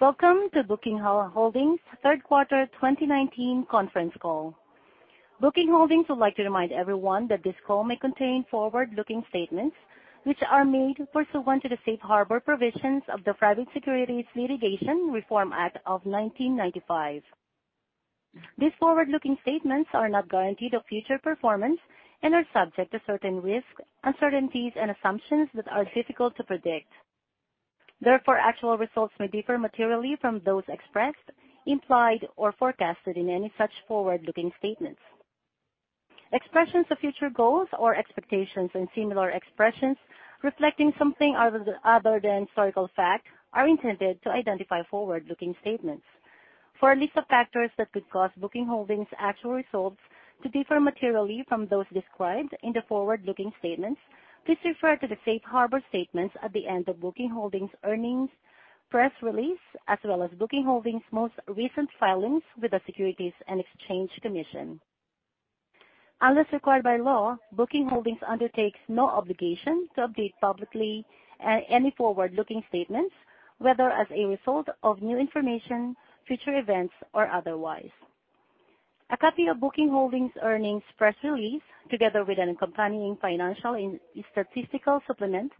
Welcome to Booking Holdings' third quarter 2019 conference call. Booking Holdings would like to remind everyone that this call may contain forward-looking statements, which are made pursuant to the safe harbor provisions of the Private Securities Litigation Reform Act of 1995. These forward-looking statements are not guarantees of future performance and are subject to certain risks, uncertainties, and assumptions that are difficult to predict. Therefore, actual results may differ materially from those expressed, implied, or forecasted in any such forward-looking statements. Expressions of future goals or expectations and similar expressions reflecting something other than historical fact are intended to identify forward-looking statements. For a list of factors that could cause Booking Holdings' actual results to differ materially from those described in the forward-looking statements, please refer to the safe harbor statements at the end of Booking Holdings' earnings press release, as well as Booking Holdings' most recent filings with the Securities and Exchange Commission. Unless required by law, Booking Holdings undertakes no obligation to update publicly any forward-looking statements, whether as a result of new information, future events, or otherwise. A copy of Booking Holdings' earnings press release, together with an accompanying financial and statistical supplement,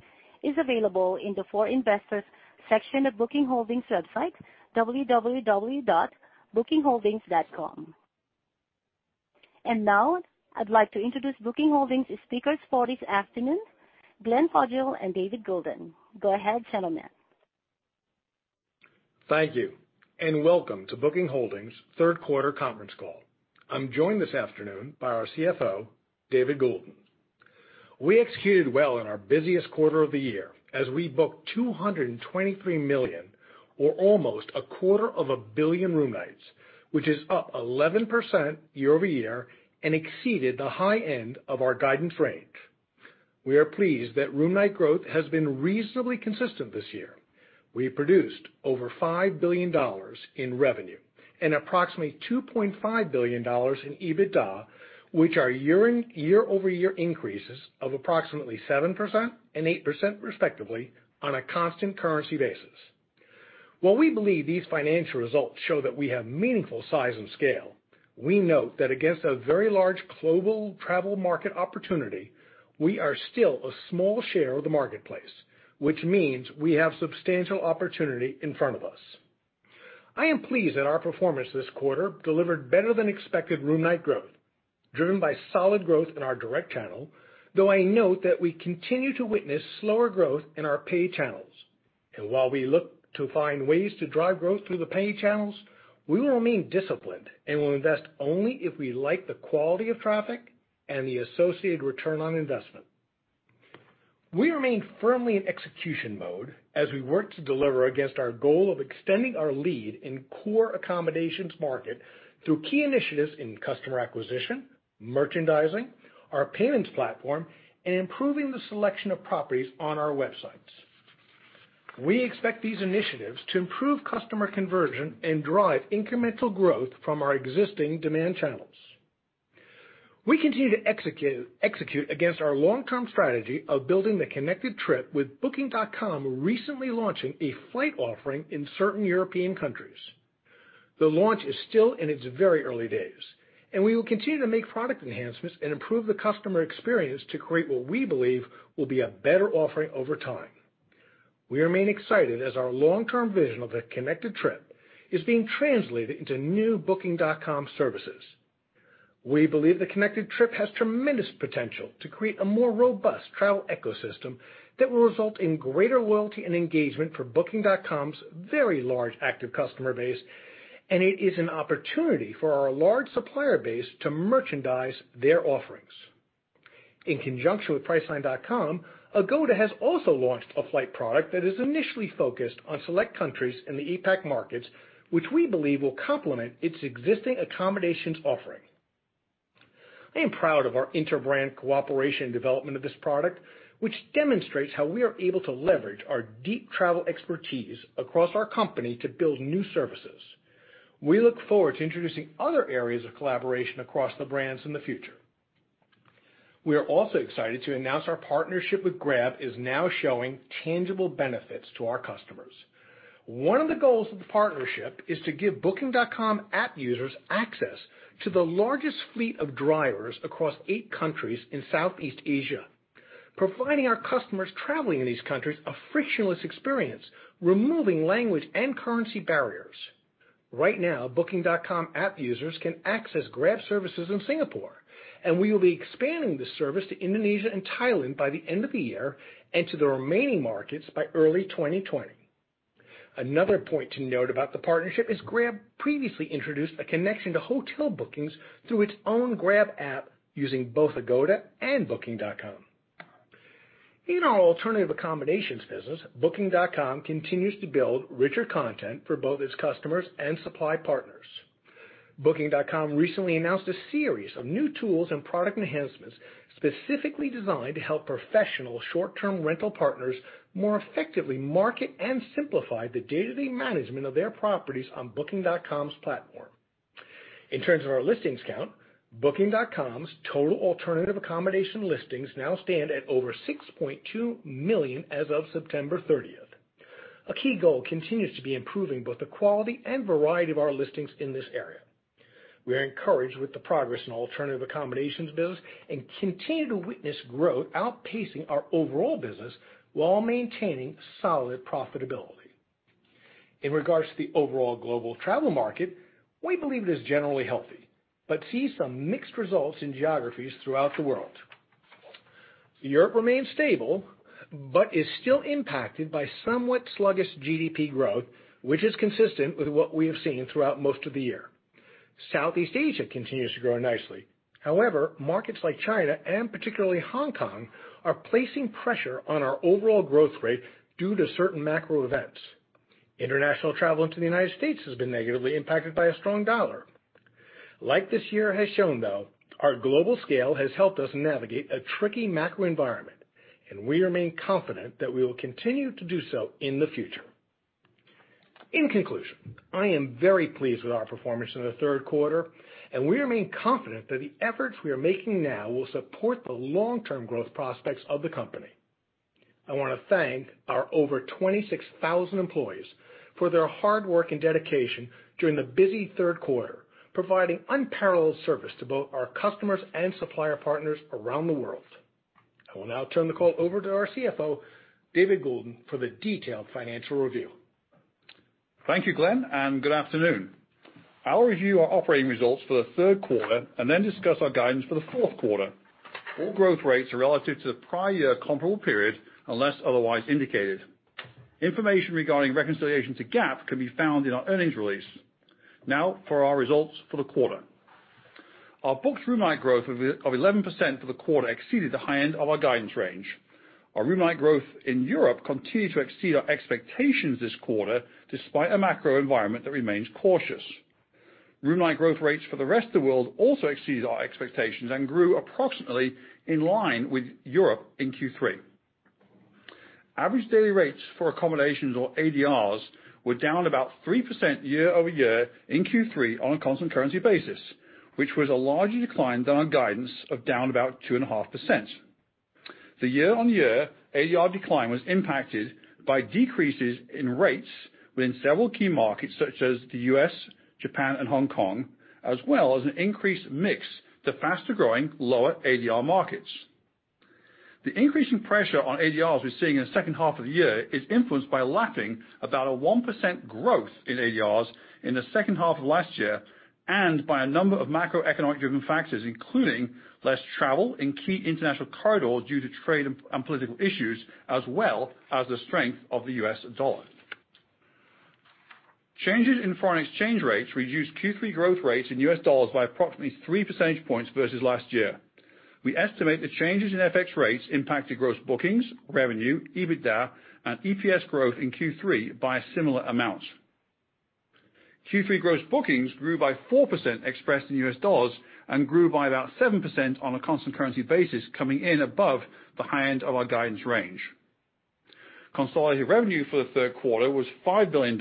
is available in the For Investors section of Booking Holdings' website, www.bookingholdings.com. Now I'd like to introduce Booking Holdings' speakers for this afternoon, Glenn Fogel and David Goulden. Go ahead, gentlemen. Thank you. Welcome to Booking Holdings' third quarter conference call. I'm joined this afternoon by our CFO, David Goulden. We executed well in our busiest quarter of the year as we booked $223 million or almost a quarter of a billion room nights, which is up 11% year-over-year and exceeded the high end of our guidance range. We are pleased that room night growth has been reasonably consistent this year. We produced over $5 billion in revenue and approximately $2.5 billion in EBITDA, which are year-over-year increases of approximately 7% and 8% respectively on a constant currency basis. While we believe these financial results show that we have meaningful size and scale, we note that against a very large global travel market opportunity, we are still a small share of the marketplace, which means we have substantial opportunity in front of us. I am pleased that our performance this quarter delivered better than expected room night growth, driven by solid growth in our direct channel, though I note that we continue to witness slower growth in our paid channels. While we look to find ways to drive growth through the paid channels, we will remain disciplined and will invest only if we like the quality of traffic and the associated return on investment. We remain firmly in execution mode as we work to deliver against our goal of extending our lead in core accommodations market through key initiatives in customer acquisition, merchandising, our payments platform, and improving the selection of properties on our websites. We expect these initiatives to improve customer conversion and drive incremental growth from our existing demand channels. We continue to execute against our long-term strategy of building the Connected Trip with Booking.com recently launching a flight offering in certain European countries. The launch is still in its very early days. We will continue to make product enhancements and improve the customer experience to create what we believe will be a better offering over time. We remain excited as our long-term vision of the Connected Trip is being translated into new Booking.com services. We believe the connected trip has tremendous potential to create a more robust travel ecosystem that will result in greater loyalty and engagement for Booking.com's very large active customer base, and it is an opportunity for our large supplier base to merchandise their offerings. In conjunction with Priceline, Agoda has also launched a flight product that is initially focused on select countries in the APAC markets, which we believe will complement its existing accommodations offering. I am proud of our inter-brand cooperation and development of this product, which demonstrates how we are able to leverage our deep travel expertise across our company to build new services. We look forward to introducing other areas of collaboration across the brands in the future. We are also excited to announce our partnership with Grab is now showing tangible benefits to our customers. One of the goals of the partnership is to give Booking.com app users access to the largest fleet of drivers across eight countries in Southeast Asia, providing our customers traveling in these countries a frictionless experience, removing language and currency barriers. Right now, Booking.com app users can access Grab services in Singapore, and we will be expanding this service to Indonesia and Thailand by the end of the year and to the remaining markets by early 2020. Another point to note about the partnership is Grab previously introduced a connection to hotel bookings through its own Grab app using both Agoda and Booking.com. In our alternative accommodations business, Booking.com continues to build richer content for both its customers and supply partners. Booking.com recently announced a series of new tools and product enhancements specifically designed to help professional short-term rental partners more effectively market and simplify the day-to-day management of their properties on Booking.com's platform. In terms of our listings count, Booking.com's total alternative accommodation listings now stand at over 6.2 million as of September 30th. A key goal continues to be improving both the quality and variety of our listings in this area. We are encouraged with the progress in alternative accommodations business, and continue to witness growth outpacing our overall business while maintaining solid profitability. In regards to the overall global travel market, we believe it is generally healthy, but see some mixed results in geographies throughout the world. Europe remains stable, but is still impacted by somewhat sluggish GDP growth, which is consistent with what we have seen throughout most of the year. Southeast Asia continues to grow nicely. Markets like China and particularly Hong Kong, are placing pressure on our overall growth rate due to certain macro events. International travel into the United States has been negatively impacted by a strong dollar. This year has shown though, our global scale has helped us navigate a tricky macro environment, and we remain confident that we will continue to do so in the future. In conclusion, I am very pleased with our performance in the third quarter, and we remain confident that the efforts we are making now will support the long-term growth prospects of the company. I want to thank our over 26,000 employees for their hard work and dedication during the busy third quarter, providing unparalleled service to both our customers and supplier partners around the world. I will now turn the call over to our CFO, David Goulden, for the detailed financial review. Thank you, Glenn, and good afternoon. I'll review our operating results for the third quarter and then discuss our guidance for the fourth quarter. All growth rates are relative to the prior year comparable period, unless otherwise indicated. Information regarding reconciliation to GAAP can be found in our earnings release. Now for our results for the quarter. Our booked room night growth of 11% for the quarter exceeded the high end of our guidance range. Our room night growth in Europe continued to exceed our expectations this quarter, despite a macro environment that remains cautious. Room night growth rates for the rest of the world also exceeded our expectations and grew approximately in line with Europe in Q3. Average daily rates for accommodations or ADRs were down about 3% year-over-year in Q3 on a constant currency basis, which was a larger decline than our guidance of down about 2.5%. The year-over-year ADR decline was impacted by decreases in rates within several key markets such as the U.S., Japan, and Hong Kong, as well as an increased mix to faster-growing lower ADR markets. The increase in pressure on ADRs we're seeing in the second half of the year is influenced by lapping about a 1% growth in ADRs in the second half of last year and by a number of macroeconomic driven factors including less travel in key international corridors due to trade and political issues, as well as the strength of the U.S. dollar. Changes in foreign exchange rates reduced Q3 growth rates in U.S. dollars by approximately three percentage points versus last year. We estimate the changes in FX rates impacted gross bookings, revenue, EBITDA and EPS growth in Q3 by a similar amount. Q3 gross bookings grew by 4% expressed in US dollars and grew by about 7% on a constant currency basis coming in above the high end of our guidance range. Consolidated revenue for the third quarter was $5 billion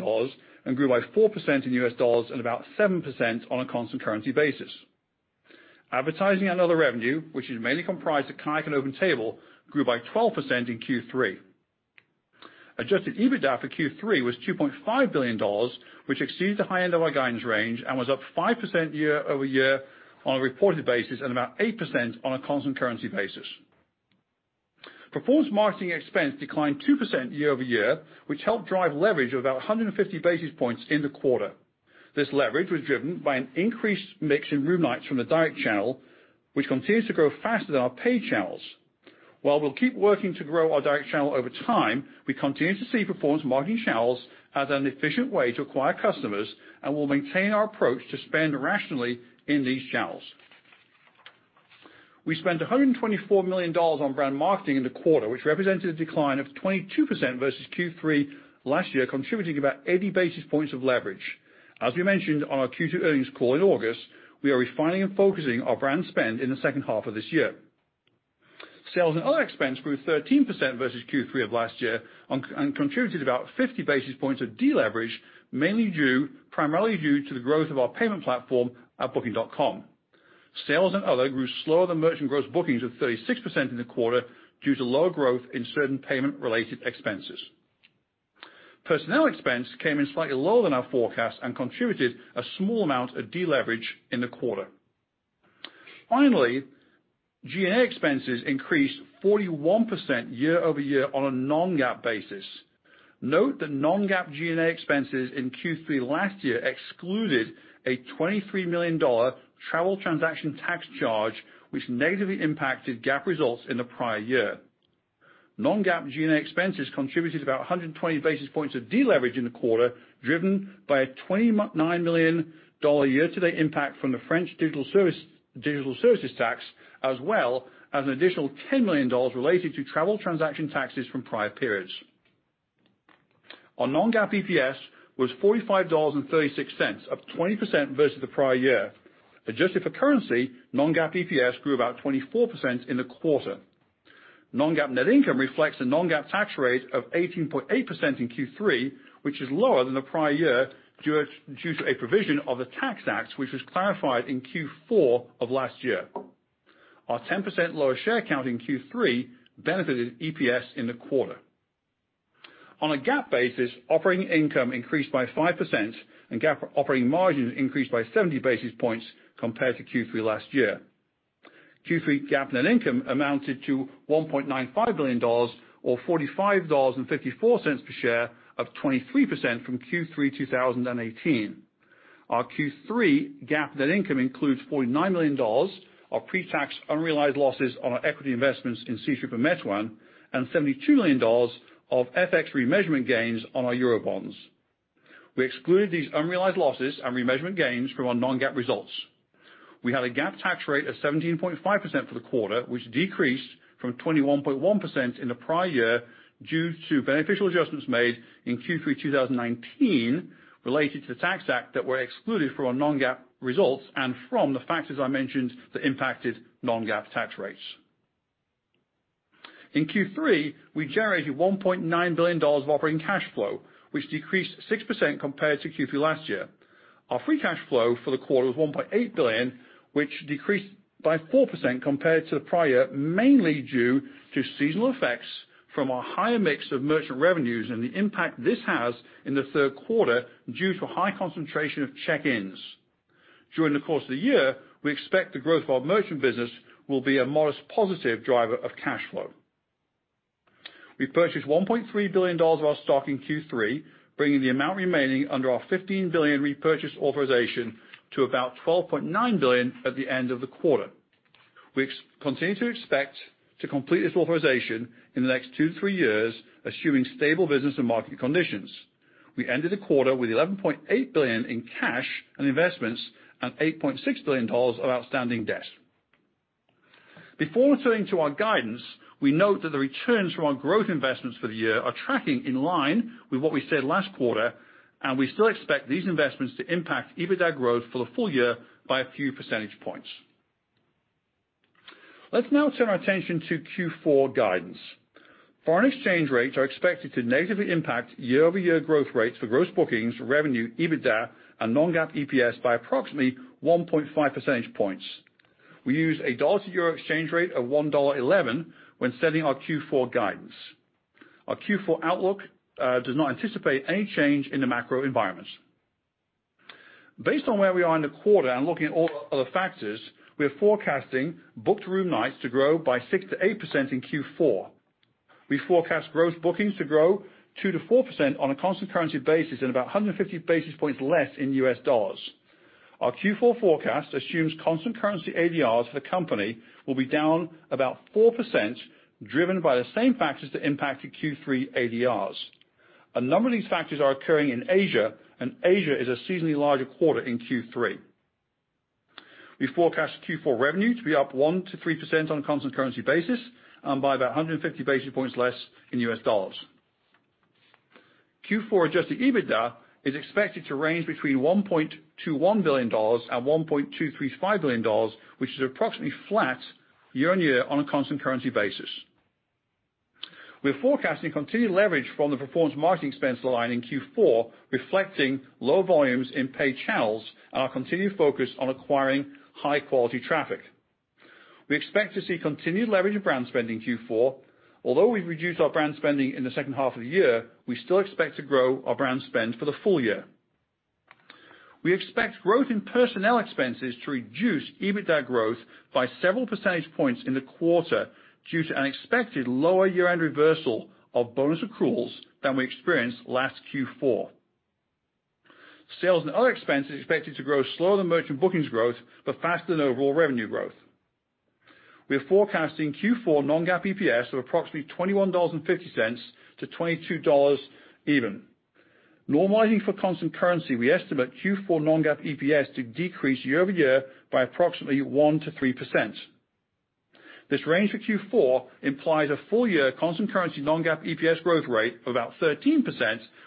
and grew by 4% in US dollars and about 7% on a constant currency basis. Advertising and other revenue, which is mainly comprised of KAYAK and OpenTable, grew by 12% in Q3. Adjusted EBITDA for Q3 was $2.5 billion, which exceeds the high end of our guidance range and was up 5% year-over-year on a reported basis, and about 8% on a constant currency basis. Performance marketing expense declined 2% year-over-year, which helped drive leverage of about 150 basis points in the quarter. This leverage was driven by an increased mix in room nights from the direct channel, which continues to grow faster than our paid channels. While we'll keep working to grow our direct channel over time, we continue to see performance marketing channels as an efficient way to acquire customers and will maintain our approach to spend rationally in these channels. We spent $124 million on brand marketing in the quarter, which represented a decline of 22% versus Q3 last year, contributing about 80 basis points of leverage. As we mentioned on our Q2 earnings call in August, we are refining and focusing our brand spend in the second half of this year. Sales and other expense grew 13% versus Q3 of last year and contributed about 50 basis points of deleverage primarily due to the growth of our payment platform at booking.com. Sales and other grew slower than merchant gross bookings of 36% in the quarter due to lower growth in certain payment-related expenses. Personnel expense came in slightly lower than our forecast and contributed a small amount of deleverage in the quarter. Finally, G&A expenses increased 41% year-over-year on a non-GAAP basis. Note that non-GAAP G&A expenses in Q3 last year excluded a $23 million travel transaction tax charge, which negatively impacted GAAP results in the prior year. Non-GAAP G&A expenses contributed about 120 basis points of deleverage in the quarter, driven by a $29 million year to date impact from the French Digital Services Tax, as well as an additional $10 million related to travel transaction taxes from prior periods. Our non-GAAP EPS was $45.36, up 20% versus the prior year. Adjusted for currency, non-GAAP EPS grew about 24% in the quarter. Non-GAAP net income reflects the non-GAAP tax rate of 18.8% in Q3, which is lower than the prior year due to a provision of the Tax Act, which was clarified in Q4 of last year. Our 10% lower share count in Q3 benefited EPS in the quarter. On a GAAP basis, operating income increased by 5% and GAAP operating margin increased by 70 basis points compared to Q3 last year. Q3 GAAP net income amounted to $1.95 billion or $45.54 per share of 23% from Q3 2018. Our Q3 GAAP net income includes $49 million of pre-tax unrealized losses on our equity investments in Meituan Dianping, and $72 million of FX remeasurement gains on our Eurobonds. We excluded these unrealized losses and remeasurement gains from our non-GAAP results. We had a GAAP tax rate of 17.5% for the quarter, which decreased from 21.1% in the prior year due to beneficial adjustments made in Q3 2019 related to the Tax Act that were excluded from our non-GAAP results and from the factors I mentioned that impacted non-GAAP tax rates. In Q3, we generated $1.9 billion of operating cash flow, which decreased 6% compared to Q3 last year. Our free cash flow for the quarter was $1.8 billion, which decreased by 4% compared to the prior, mainly due to seasonal effects from our higher mix of merchant revenues and the impact this has in the third quarter due to a high concentration of check-ins. During the course of the year, we expect the growth of our merchant business will be a modest positive driver of cash flow. We purchased $1.3 billion of our stock in Q3, bringing the amount remaining under our $15 billion repurchase authorization to about $12.9 billion at the end of the quarter. We continue to expect to complete this authorization in the next two to three years, assuming stable business and market conditions. We ended the quarter with $11.8 billion in cash and investments and $8.6 billion of outstanding debt. Before turning to our guidance, we note that the returns from our growth investments for the year are tracking in line with what we said last quarter, and we still expect these investments to impact EBITDA growth for the full year by a few percentage points. Let's now turn our attention to Q4 guidance. Foreign exchange rates are expected to negatively impact year-over-year growth rates for gross bookings, revenue, EBITDA, and non-GAAP EPS by approximately 1.5 percentage points. We use a dollar to EUR exchange rate of $1.11 when setting our Q4 guidance. Our Q4 outlook does not anticipate any change in the macro environment. Based on where we are in the quarter and looking at all other factors, we are forecasting booked room nights to grow by 6% to 8% in Q4. We forecast gross bookings to grow 2% to 4% on a constant currency basis and about 150 basis points less in US dollars. Our Q4 forecast assumes constant currency ADRs for the company will be down about 4%, driven by the same factors that impacted Q3 ADRs. A number of these factors are occurring in Asia, and Asia is a seasonally larger quarter in Q3. We forecast Q4 revenue to be up 1% to 3% on a constant currency basis and by about 150 basis points less in US dollars. Q4 adjusted EBITDA is expected to range between $1.21 billion and $1.235 billion, which is approximately flat year-on-year on a constant currency basis. We are forecasting continued leverage from the performance marketing expense line in Q4, reflecting low volumes in paid channels and our continued focus on acquiring high-quality traffic. We expect to see continued leverage of brand spend in Q4. Although we've reduced our brand spending in the second half of the year, we still expect to grow our brand spend for the full year. We expect growth in personnel expenses to reduce EBITDA growth by several percentage points in the quarter due to an expected lower year-end reversal of bonus accruals than we experienced last Q4. Sales and other expenses are expected to grow slower than merchant bookings growth but faster than overall revenue growth. We are forecasting Q4 non-GAAP EPS of approximately $21.50-$22 even. Normalizing for constant currency, we estimate Q4 non-GAAP EPS to decrease year-over-year by approximately 1%-3%. This range for Q4 implies a full-year constant currency non-GAAP EPS growth rate of about 13%,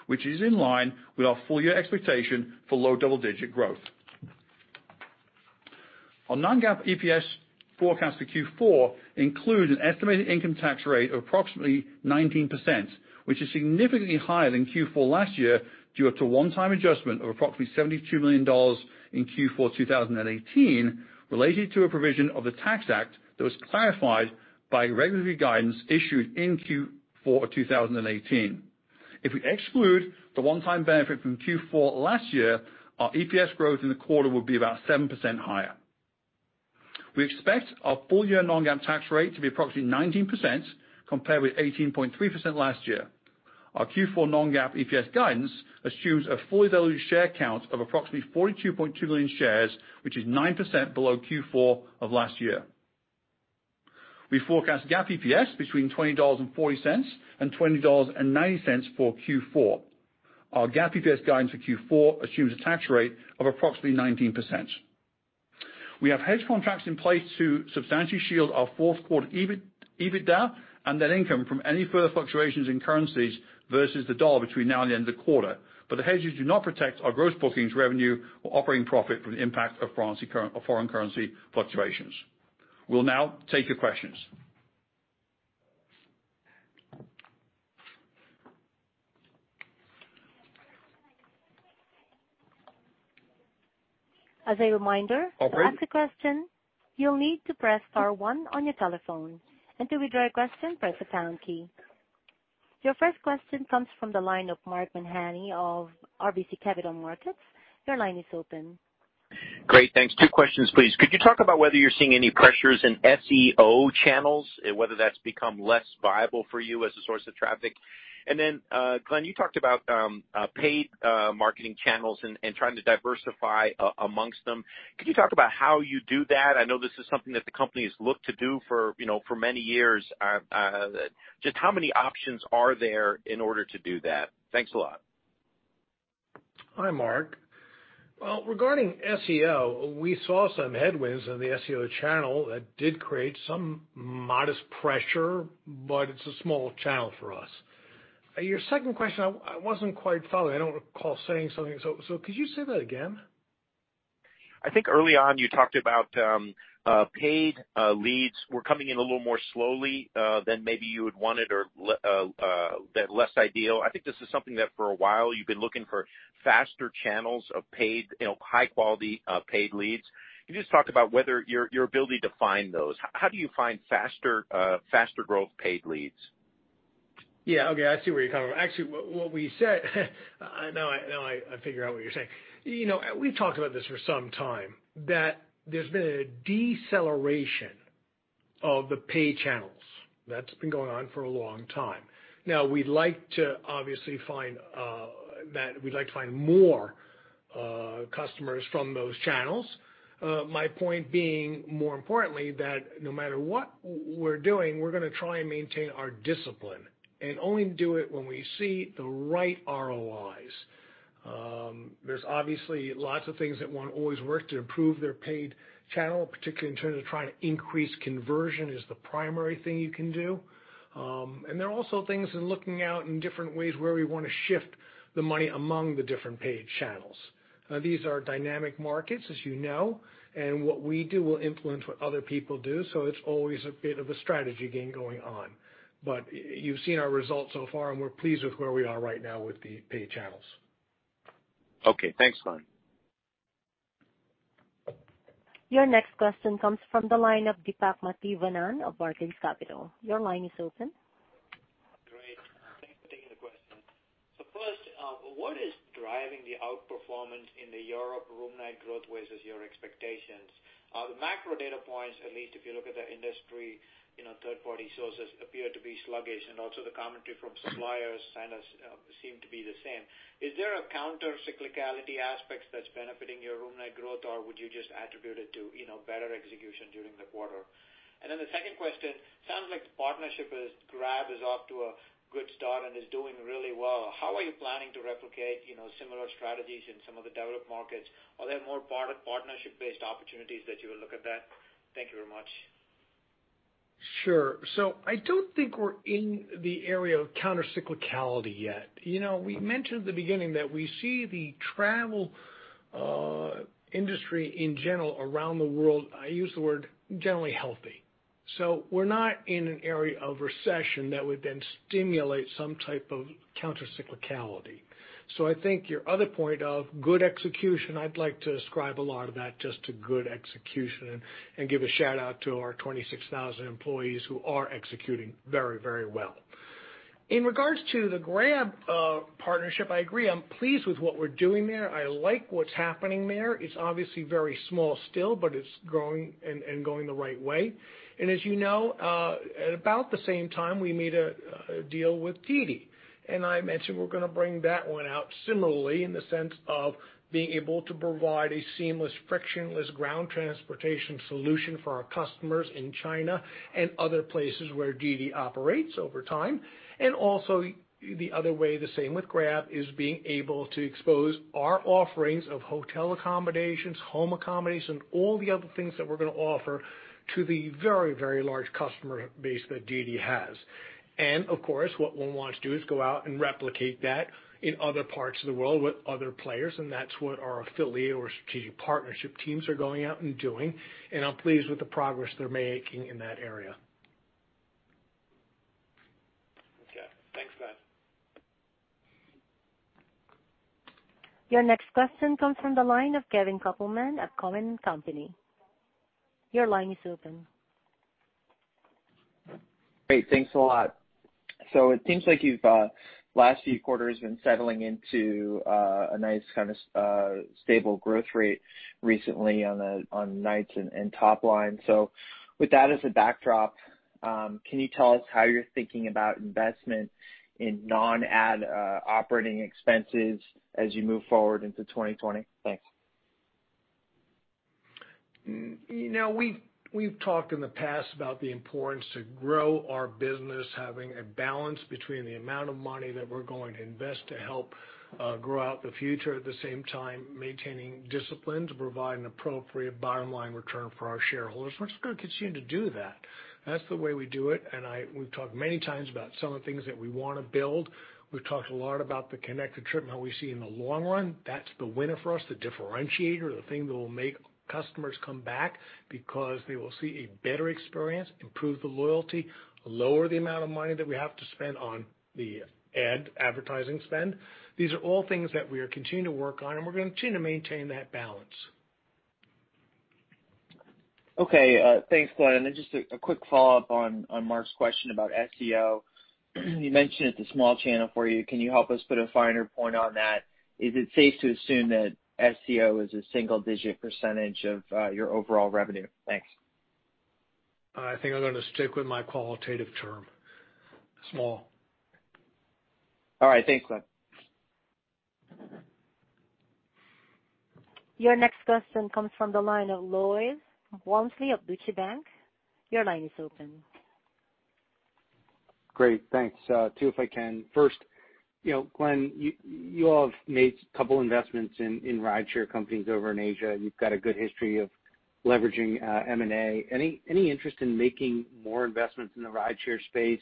which is in line with our full-year expectation for low double-digit growth. Our non-GAAP EPS forecast for Q4 includes an estimated income tax rate of approximately 19%, which is significantly higher than Q4 last year due to a one-time adjustment of approximately $72 million in Q4 2018, related to a provision of the Tax Act that was clarified by regulatory guidance issued in Q4 2018. If we exclude the one-time benefit from Q4 last year, our EPS growth in the quarter would be about 7% higher. We expect our full-year non-GAAP tax rate to be approximately 19%, compared with 18.3% last year. Our Q4 non-GAAP EPS guidance assumes a fully diluted share count of approximately 42.2 million shares, which is 9% below Q4 of last year. We forecast GAAP EPS between $20.40 and $20.90 for Q4. Our GAAP EPS guidance for Q4 assumes a tax rate of approximately 19%. We have hedge contracts in place to substantially shield our fourth quarter EBITDA and net income from any further fluctuations in currencies versus the dollar between now and the end of the quarter. The hedges do not protect our gross bookings revenue or operating profit from the impact of foreign currency fluctuations. We'll now take your questions. As a reminder. Operate to ask a question, you'll need to press star 1 on your telephone. To withdraw your question, press the pound key. Your first question comes from the line of Mark Mahaney of RBC Capital Markets. Your line is open. Great. Thanks. Two questions, please. Could you talk about whether you're seeing any pressures in SEO channels, whether that's become less viable for you as a source of traffic? Glenn, you talked about paid marketing channels and trying to diversify amongst them. Could you talk about how you do that? I know this is something that the company has looked to do for many years. Just how many options are there in order to do that? Thanks a lot. Hi, Mark. Well, regarding SEO, we saw some headwinds in the SEO channel that did create some modest pressure, but it's a small channel for us. Your second question, I wasn't quite following. I don't recall saying something, could you say that again? I think early on you talked about paid leads were coming in a little more slowly than maybe you had wanted or that less ideal. I think this is something that for a while you've been looking for faster channels of high quality paid leads. Can you just talk about your ability to find those? How do you find faster growth paid leads? Yeah. Okay, I see where you're coming from. Actually, what we said now I figure out what you're saying. We've talked about this for some time, that there's been a deceleration of the paid channels. That's been going on for a long time now. We'd like to find more customers from those channels. My point being, more importantly, that no matter what we're doing, we're going to try and maintain our discipline and only do it when we see the right ROIs. There's obviously lots of things that one always work to improve their paid channel, particularly in terms of trying to increase conversion is the primary thing you can do. There are also things in looking out in different ways where we want to shift the money among the different paid channels. These are dynamic markets, as you know, and what we do will influence what other people do. It's always a bit of a strategy game going on. You've seen our results so far, and we're pleased with where we are right now with the paid channels. Okay, thanks Glenn. Your next question comes from the line of Deepak Mathivanan of Barclays Capital. Your line is open. Great. Thanks for taking the question. First, what is driving the outperformance in the Europe room night growth versus your expectations? The macro data points, at least if you look at the industry, third party sources appear to be sluggish. The commentary from suppliers seem to be the same. Is there a counter cyclicality aspect that's benefiting your room night growth or would you just attribute it to better execution during the quarter? The second question, sounds like the partnership with Grab is off to a good start and is doing really well. How are you planning to replicate similar strategies in some of the developed markets? Are there more partnership based opportunities that you will look at that? Thank you very much. Sure. I don't think we're in the area of counter cyclicality yet. We mentioned at the beginning that we see the travel industry in general around the world, I use the word generally healthy. We're not in an area of recession that would then stimulate some type of counter cyclicality. I think your other point of good execution, I'd like to ascribe a lot of that just to good execution and give a shout out to our 26,000 employees who are executing very well. In regards to the Grab partnership, I agree. I'm pleased with what we're doing there. I like what's happening there. It's obviously very small still, but it's growing and going the right way. As you know, at about the same time, we made a deal with DiDi, I mentioned we're going to bring that one out similarly in the sense of being able to provide a seamless, frictionless ground transportation solution for our customers in China and other places where DiDi operates over time. Also the other way, the same with Grab, is being able to expose our offerings of hotel accommodations, home accommodations, all the other things that we're going to offer to the very large customer base that DiDi has. Of course, what we'll want to do is go out and replicate that in other parts of the world with other players, and that's what our affiliate or strategic partnership teams are going out and doing, and I'm pleased with the progress they're making in that area. Okay. Thanks, Glenn. Your next question comes from the line of Kevin Kopelman at Cowen and Company. Your line is open. Great, thanks a lot. It seems like you've, last few quarters, been settling into a nice kind of stable growth rate recently on nights and top line. With that as a backdrop, can you tell us how you're thinking about investment in non-ad operating expenses as you move forward into 2020? Thanks. We've talked in the past about the importance to grow our business, having a balance between the amount of money that we're going to invest to help grow out the future, at the same time, maintaining discipline to provide an appropriate bottom line return for our shareholders. We're just going to continue to do that. That's the way we do it. We've talked many times about some of the things that we want to build. We've talked a lot about the connected trip and how we see in the long run, that's the winner for us, the differentiator, the thing that will make customers come back because they will see a better experience, improve the loyalty, lower the amount of money that we have to spend on the ad advertising spend. These are all things that we are continuing to work on and we're going to continue to maintain that balance. Okay. Thanks, Glenn. Then just a quick follow-up on Mark's question about SEO. You mentioned it's a small channel for you. Can you help us put a finer point on that? Is it safe to assume that SEO is a single-digit percentage of your overall revenue? Thanks. I think I'm going to stick with my qualitative term, small. All right. Thanks, Glenn. Your next question comes from the line of Lloyd Walmsley of Deutsche Bank. Your line is open. Great, thanks. Two, if I can. First, Glenn, you all have made a couple investments in rideshare companies over in Asia, and you've got a good history of leveraging M&A. Any interest in making more investments in the rideshare space?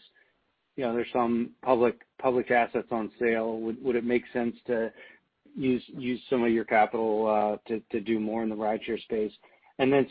There are some public assets on sale. Would it make sense to use some of your capital to do more in the rideshare space?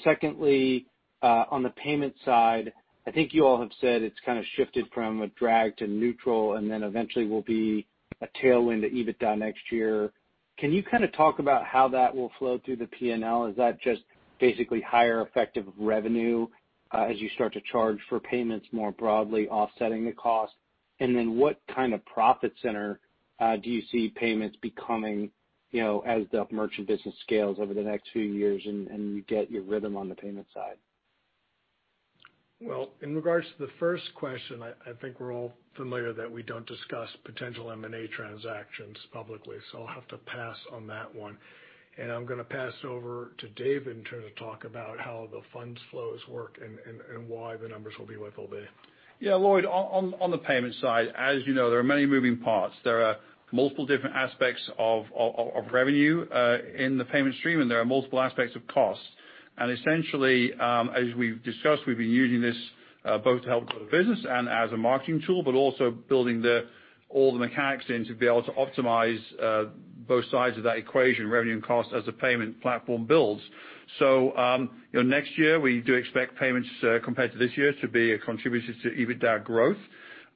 Secondly, on the payment side, I think you all have said it's kind of shifted from a drag to neutral, and then eventually will be a tailwind to EBITDA next year. Can you talk about how that will flow through the P&L? Is that just basically higher effective revenue as you start to charge for payments more broadly offsetting the cost? Then what kind of profit center do you see payments becoming as the merchant business scales over the next few years and you get your rhythm on the payment side? Well, in regards to the first question, I think we're all familiar that we don't discuss potential M&A transactions publicly. I'll have to pass on that one. I'm going to pass over to Dave in turn to talk about how the funds flows work and why the numbers will be what they'll be. Yeah, Lloyd, on the payment side, as you know, there are many moving parts. There are multiple different aspects of revenue in the payment stream, and there are multiple aspects of cost. Essentially, as we've discussed, we've been using this both to help grow the business and as a marketing tool, but also building all the mechanics in to be able to optimize both sides of that equation, revenue and cost, as the payment platform builds. Next year, we do expect payments, compared to this year, to be a contributor to EBITDA growth.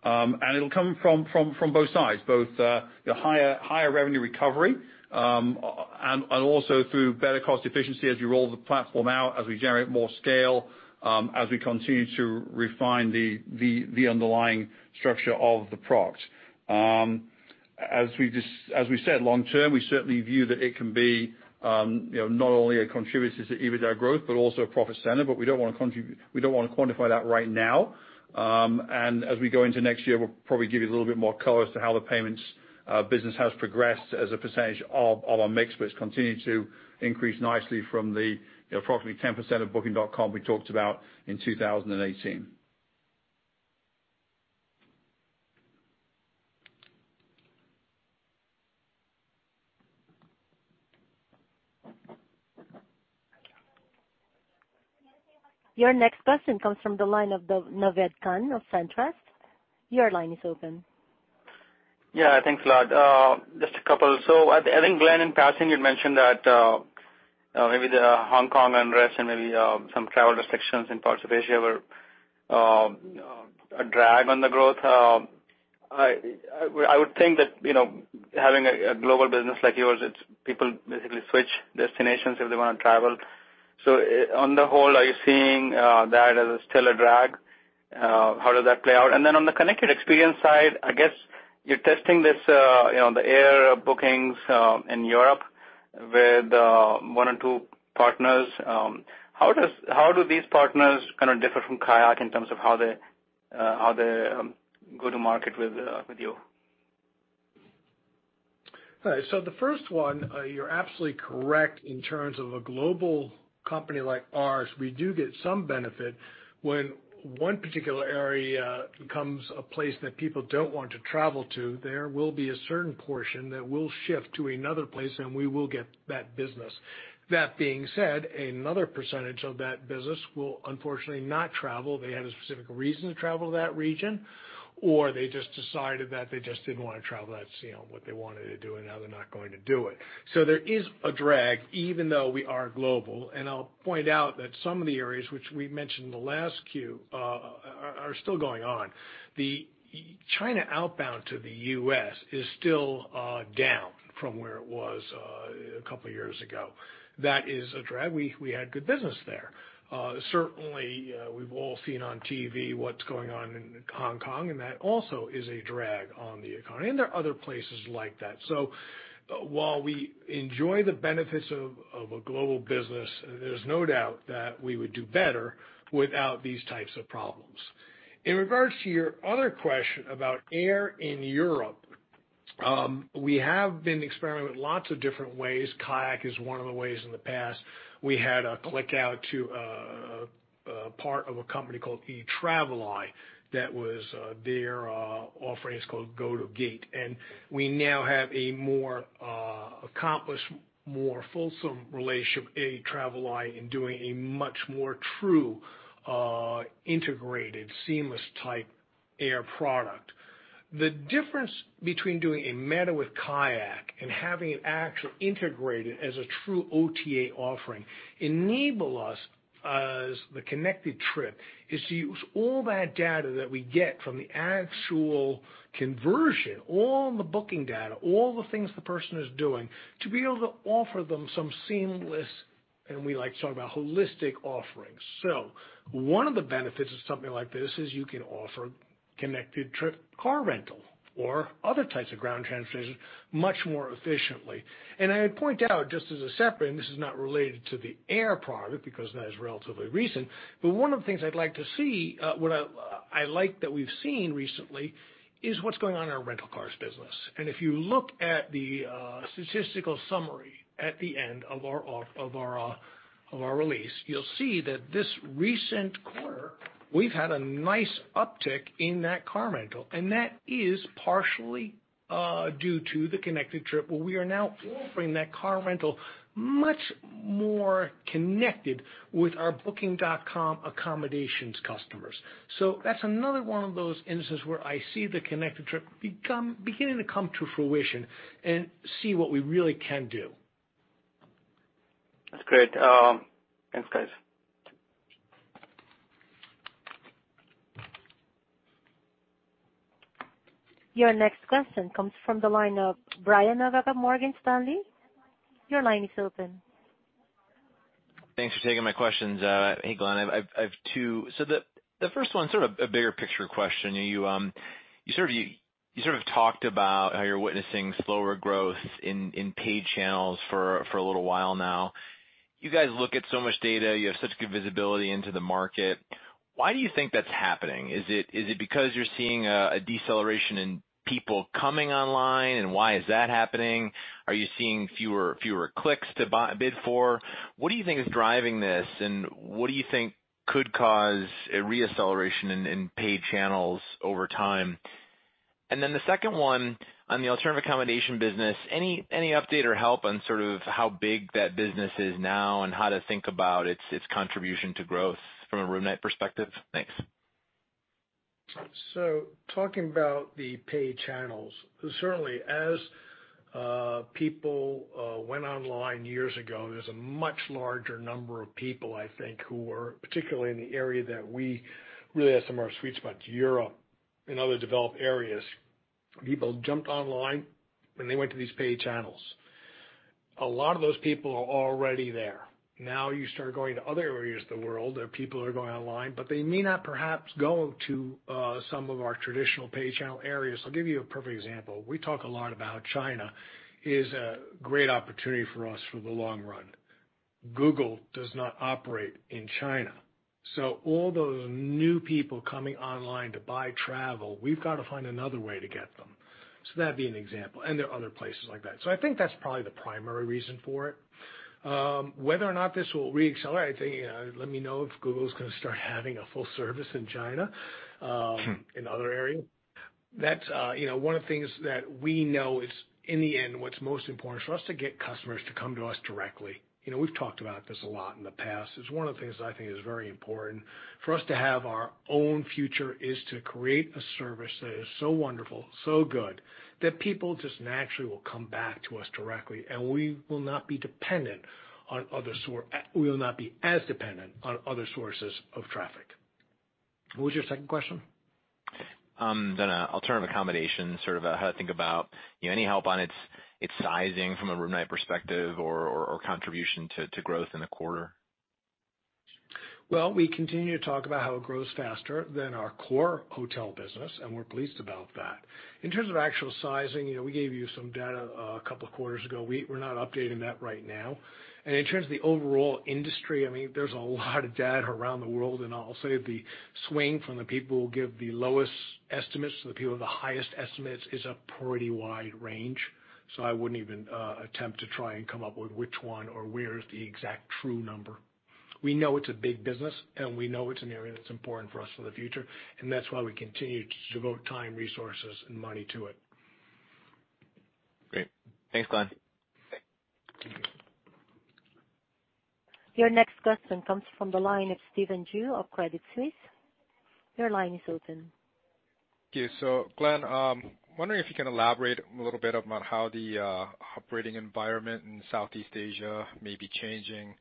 It'll come from both sides, both the higher revenue recovery, and also through better cost efficiency as we roll the platform out, as we generate more scale, as we continue to refine the underlying structure of the product. As we've said, long term, we certainly view that it can be not only a contributor to EBITDA growth, but also a profit center, but we don't want to quantify that right now. As we go into next year, we'll probably give you a little bit more color as to how the payments business has progressed as a percentage of our mix, but it's continued to increase nicely from the approximately 10% of Booking.com we talked about in 2018. Your next question comes from the line of Naved Khan of SunTrust. Your line is open. Yeah, thanks a lot. Just a couple. I think, Glenn, in passing, you'd mentioned that maybe the Hong Kong unrest and maybe some travel restrictions in parts of Asia were a drag on the growth. I would think that having a global business like yours, people basically switch destinations if they want to travel. On the whole, are you seeing that as still a drag? How does that play out? On the connected experience side, I guess you're testing the air bookings in Europe with one or two partners. How do these partners differ from KAYAK in terms of how they go to market with you? All right. The first one, you're absolutely correct in terms of a global company like ours, we do get some benefit when one particular area becomes a place that people don't want to travel to, there will be a certain portion that will shift to another place, and we will get that business. That being said, another percentage of that business will unfortunately not travel. They had a specific reason to travel to that region, or they just decided that they just didn't want to travel. That's what they wanted to do, and now they're not going to do it. There is a drag even though we are global. I'll point out that some of the areas which we mentioned in the last Q are still going on. The China outbound to the U.S. is still down from where it was a couple of years ago. That is a drag. We had good business there. Certainly, we've all seen on TV what's going on in Hong Kong, that also is a drag on the economy. There are other places like that. While we enjoy the benefits of a global business, there's no doubt that we would do better without these types of problems. In regards to your other question about air in Europe, we have been experimenting with lots of different ways. KAYAK is one of the ways in the past. We had a click out to a part of a company called Etraveli that was their offerings called Gotogate. We now have a more accomplished, more fulsome relationship with Etraveli in doing a much more true integrated, seamless type air product. The difference between doing a meta with KAYAK and having it actually integrated as a true OTA offering, the connected trip is to use all that data that we get from the actual conversion, all the booking data, all the things the person is doing, to be able to offer them some seamless, and we like to talk about holistic offerings. One of the benefits of something like this is you can offer connected trip car rental or other types of ground transportation much more efficiently. I point out just as a separate, and this is not related to the air product, because that is relatively recent, but one of the things I'd like to see, what I like that we've seen recently, is what's going on in our rental cars business. If you look at the statistical summary at the end of our release, you'll see that this recent quarter, we've had a nice uptick in that car rental, and that is partially due to the connected trip, where we are now offering that car rental much more connected with our Booking.com accommodations customers. That's another one of those instances where I see the connected trip beginning to come to fruition and see what we really can do. That's great. Thanks, guys. Your next question comes from the line of Brian Nowak of Morgan Stanley. Your line is open. Thanks for taking my questions. Hey, Glenn, I have two. The first one's sort of a bigger picture question. You sort of talked about how you're witnessing slower growth in paid channels for a little while now. You guys look at so much data. You have such good visibility into the market. Why do you think that's happening? Is it because you're seeing a deceleration in people coming online, and why is that happening? Are you seeing fewer clicks to bid for? What do you think is driving this, and what do you think could cause a re-acceleration in paid channels over time? The second one on the alternative accommodation business, any update or help on sort of how big that business is now and how to think about its contribution to growth from a room night perspective? Thanks. Talking about the paid channels, certainly as people went online years ago, there's a much larger number of people, I think, who were particularly in the area that we really have some of our sweet spots, Europe and other developed areas. People jumped online, and they went to these paid channels. A lot of those people are already there. Now you start going to other areas of the world that people are going online, but they may not perhaps go to some of our traditional paid channel areas. I'll give you a perfect example. We talk a lot about China is a great opportunity for us for the long run. Google does not operate in China, so all those new people coming online to buy travel, we've got to find another way to get them. That'd be an example, and there are other places like that. I think that's probably the primary reason for it. Whether or not this will re-accelerate, let me know if Google's going to start having a full service in China, in other areas. One of the things that we know is in the end, what's most important for us to get customers to come to us directly. We've talked about this a lot in the past, is one of the things I think is very important for us to have our own future is to create a service that is so wonderful, so good that people just naturally will come back to us directly, and we will not be as dependent on other sources of traffic. What was your second question? Alternative accommodation, sort of how to think about any help on its sizing from a room night perspective or contribution to growth in the quarter. Well, we continue to talk about how it grows faster than our core hotel business, and we're pleased about that. In terms of actual sizing, we gave you some data a couple of quarters ago. We're not updating that right now. In terms of the overall industry, there's a lot of data around the world, and I'll say the swing from the people who give the lowest estimates to the people with the highest estimates is a pretty wide range. I wouldn't even attempt to try and come up with which one or where is the exact true number. We know it's a big business, we know it's an area that's important for us for the future, and that's why we continue to devote time, resources, and money to it. Great. Thanks, Glenn. Your next question comes from the line of Stephen Ju of Credit Suisse. Your line is open. Glenn, wondering if you can elaborate a little bit about how the operating environment in Southeast Asia may be changing,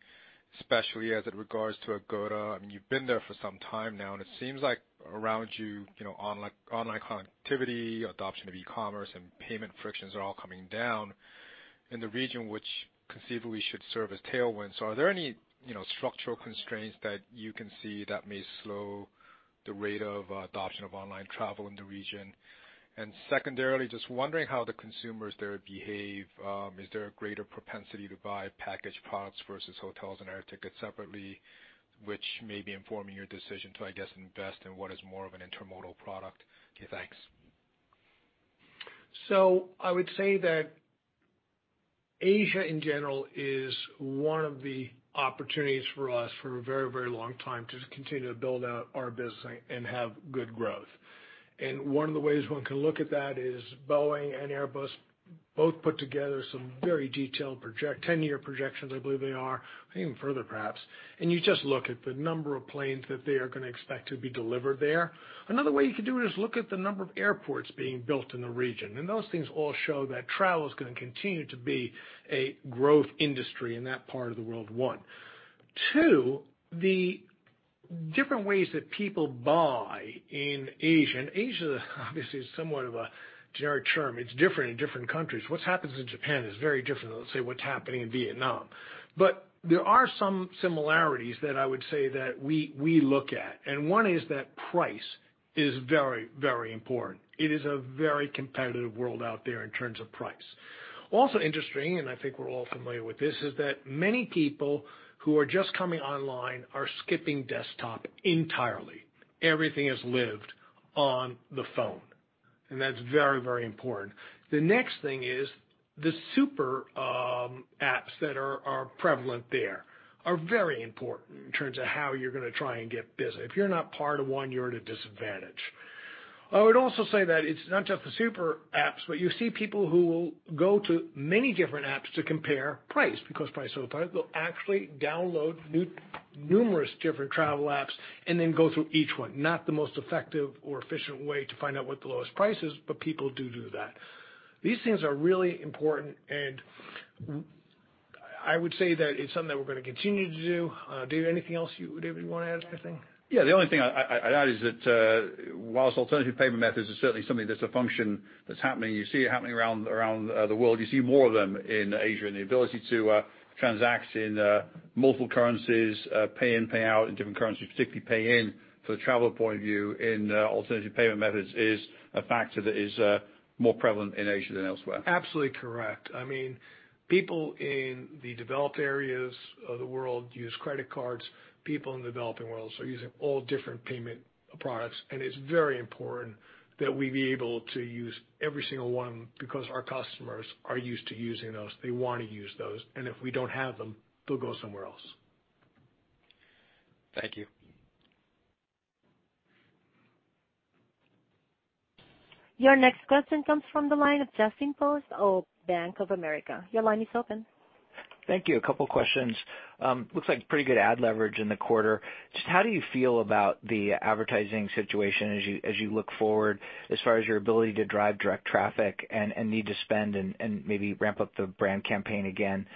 especially as it regards to Agoda. You've been there for some time now, and it seems like around you, online connectivity, adoption of e-commerce, and payment frictions are all coming down in the region, which conceivably should serve as tailwinds. Are there any structural constraints that you can see that may slow the rate of adoption of online travel in the region? Secondarily, just wondering how the consumers there behave. Is there a greater propensity to buy packaged products versus hotels and air tickets separately, which may be informing your decision to, I guess, invest in what is more of an intermodal product? Okay, thanks. I would say that Asia in general is one of the opportunities for us for a very long time to continue to build out our business and have good growth. One of the ways one can look at that is Boeing and Airbus both put together some very detailed 10-year projections, I believe they are, even further perhaps, and you just look at the number of planes that they are going to expect to be delivered there. Another way you can do it is look at the number of airports being built in the region, and those things all show that travel is going to continue to be a growth industry in that part of the world, one. Two, the different ways that people buy in Asia. Asia obviously is somewhat of a generic term. It's different in different countries. What happens in Japan is very different than, let's say, what's happening in Vietnam. There are some similarities that I would say that we look at, and one is that price is very, very important. It is a very competitive world out there in terms of price. Also interesting, and I think we're all familiar with this, is that many people who are just coming online are skipping desktop entirely. Everything is lived on the phone, and that's very, very important. The next thing is the super apps that are prevalent there are very important in terms of how you're going to try and get business. If you're not part of one, you're at a disadvantage. I would also say that it's not just the super apps, but you see people who will go to many different apps to compare price, because price is so tight. They'll actually download numerous different travel apps and then go through each one. Not the most effective or efficient way to find out what the lowest price is, people do that. These things are really important, I would say that it's something that we're going to continue to do. David, anything else you would want to add, I think? Yeah. The only thing I'd add is that whilst alternative payment methods is certainly something that's a function that's happening, you see it happening around the world. You see more of them in Asia and the ability to transact in multiple currencies, pay in, pay out in different currencies. Particularly pay in, from the traveler point of view in alternative payment methods is a factor that is more prevalent in Asia than elsewhere. Absolutely correct. People in the developed areas of the world use credit cards. People in the developing world are using all different payment products, and it's very important that we be able to use every single one because our customers are used to using those. They want to use those, and if we don't have them, they'll go somewhere else. Thank you. Your next question comes from the line of Justin Post of Bank of America. Your line is open. Thank you. A couple questions. Looks like pretty good ad leverage in the quarter. Just how do you feel about the advertising situation as you look forward as far as your ability to drive direct traffic and need to spend and maybe ramp up the brand campaign again?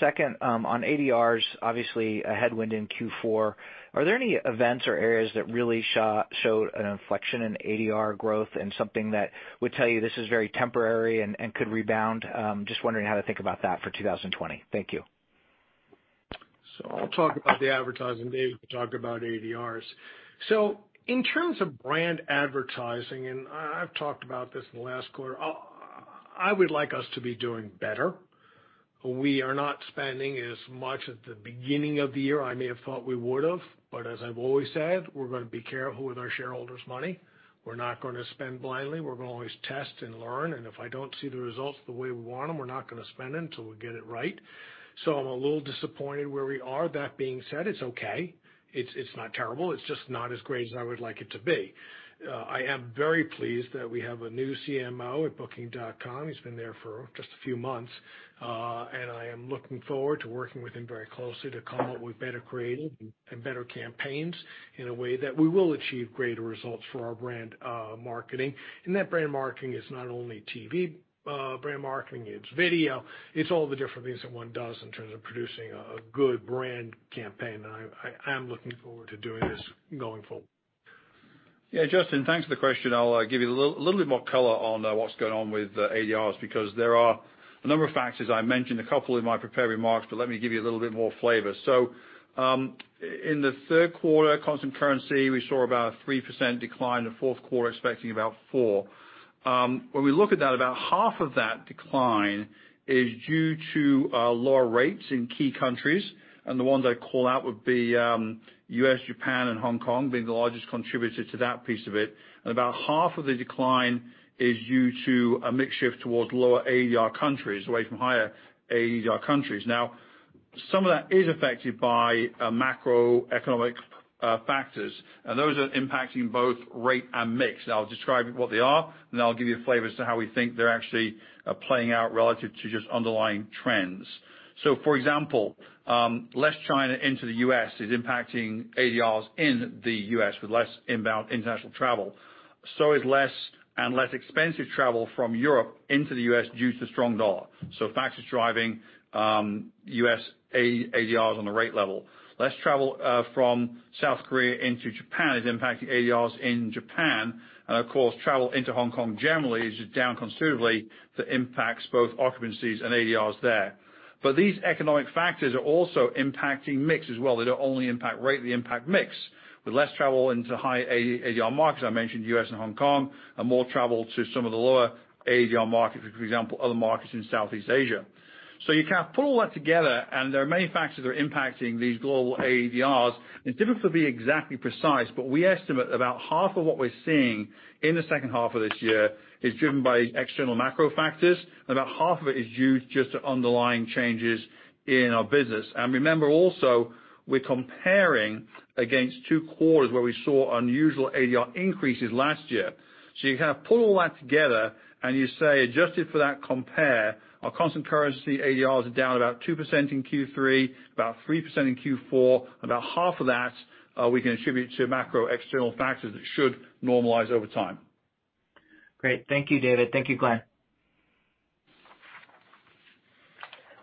Second, on ADRs, obviously a headwind in Q4. Are there any events or areas that really showed an inflection in ADR growth and something that would tell you this is very temporary and could rebound? Just wondering how to think about that for 2020. Thank you. I'll talk about the advertising. David can talk about ADRs. In terms of brand advertising, and I've talked about this in the last quarter, I would like us to be doing better. We are not spending as much at the beginning of the year, I may have thought we would have, but as I've always said, we're going to be careful with our shareholders' money. We're not going to spend blindly. We're going to always test and learn, and if I don't see the results the way we want them, we're not going to spend until we get it right. I'm a little disappointed where we are. That being said, it's okay. It's not terrible. It's just not as great as I would like it to be. I am very pleased that we have a new CMO at Booking.com. He's been there for just a few months. I am looking forward to working with him very closely to come up with better creative and better campaigns in a way that we will achieve greater results for our brand marketing. That brand marketing is not only TV brand marketing, it's video. It's all the different things that one does in terms of producing a good brand campaign. I am looking forward to doing this going forward. Yeah. Justin, thanks for the question. I'll give you a little bit more color on what's going on with ADRs, because there are a number of factors. I mentioned a couple in my prepared remarks, but let me give you a little bit more flavor. In the third quarter, constant currency, we saw about a 3% decline. The fourth quarter, expecting about four. When we look at that, about half of that decline is due to lower rates in key countries, and the ones I call out would be U.S., Japan, and Hong Kong being the largest contributor to that piece of it. About half of the decline is due to a mix shift towards lower ADR countries, away from higher ADR countries. some of that is affected by macroeconomic factors, and those are impacting both rate and mix, and I'll describe what they are, and then I'll give you a flavor as to how we think they're actually playing out relative to just underlying trends. For example, less China into the U.S. is impacting ADRs in the U.S. with less inbound international travel. Is less and less expensive travel from Europe into the U.S. due to the strong dollar. Factors driving U.S. ADRs on the rate level. Less travel from South Korea into Japan is impacting ADRs in Japan. Of course, travel into Hong Kong generally is just down considerably, that impacts both occupancies and ADRs there. These economic factors are also impacting mix as well. They don't only impact rate, they impact mix with less travel into high ADR markets, I mentioned U.S. and Hong Kong, and more travel to some of the lower ADR markets, for example, other markets in Southeast Asia. You kind of pull all that together, and there are many factors that are impacting these global ADRs. It's difficult to be exactly precise, but we estimate about half of what we're seeing in the second half of this year is driven by external macro factors, and about half of it is due just to underlying changes in our business. Remember also, we're comparing against two quarters where we saw unusual ADR increases last year. You kind of pull all that together and you say, adjusted for that compare, our constant currency ADRs are down about 2% in Q3, about 3% in Q4. About half of that we can attribute to macro external factors that should normalize over time. Great. Thank you, David. Thank you, Glenn.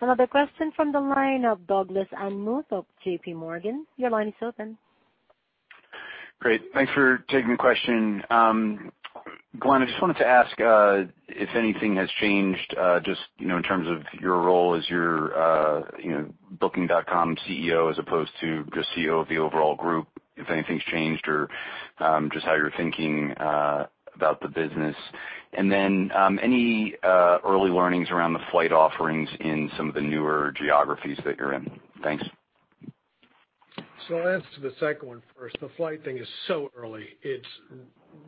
Another question from the line of Douglas Anmuth of J.P. Morgan, your line is open. Great. Thanks for taking the question. Glenn, I just wanted to ask if anything has changed, just in terms of your role as you're Booking.com CEO as opposed to just CEO of the overall group, if anything's changed or just how you're thinking about the business? Then, any early learnings around the flight offerings in some of the newer geographies that you're in? Thanks. I'll answer the second one first. The flight thing is so early. It's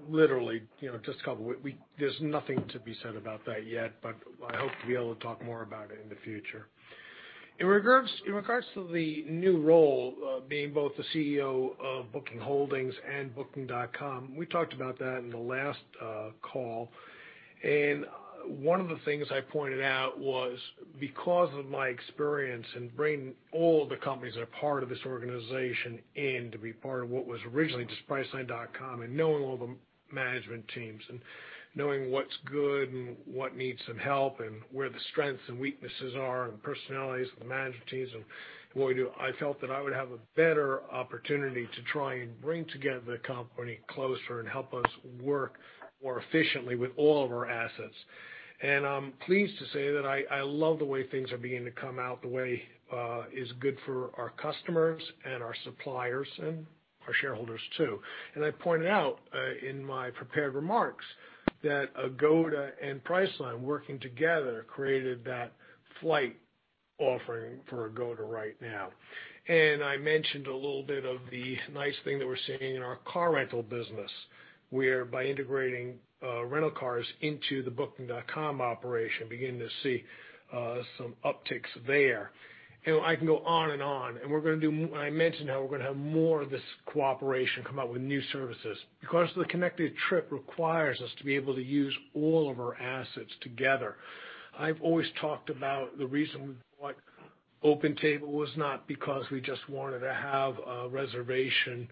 literally just a couple of weeks. There's nothing to be said about that yet, but I hope to be able to talk more about it in the future. In regards to the new role of being both the CEO of Booking Holdings and Booking.com, we talked about that in the last call. One of the things I pointed out was because of my experience in bringing all the companies that are part of this organization in to be part of what was originally just priceline.com, and knowing all the management teams, and knowing what's good and what needs some help, and where the strengths and weaknesses are, and the personalities of the management teams, and boy do I felt that I would have a better opportunity to try and bring together the company closer and help us work more efficiently with all of our assets. I'm pleased to say that I love the way things are beginning to come out, the way is good for our customers and our suppliers, and our shareholders too. I pointed out, in my prepared remarks that Agoda and Priceline working together created that flight offering for Agoda right now. I mentioned a little bit of the nice thing that we're seeing in our car rental business, where by integrating rental cars into the Booking.com operation, beginning to see some upticks there. I can go on and on. I mentioned how we're gonna have more of this cooperation, come out with new services. The Connected Trip requires us to be able to use all of our assets together. I've always talked about the reason we bought OpenTable was not because we just wanted to have a restaurant reservation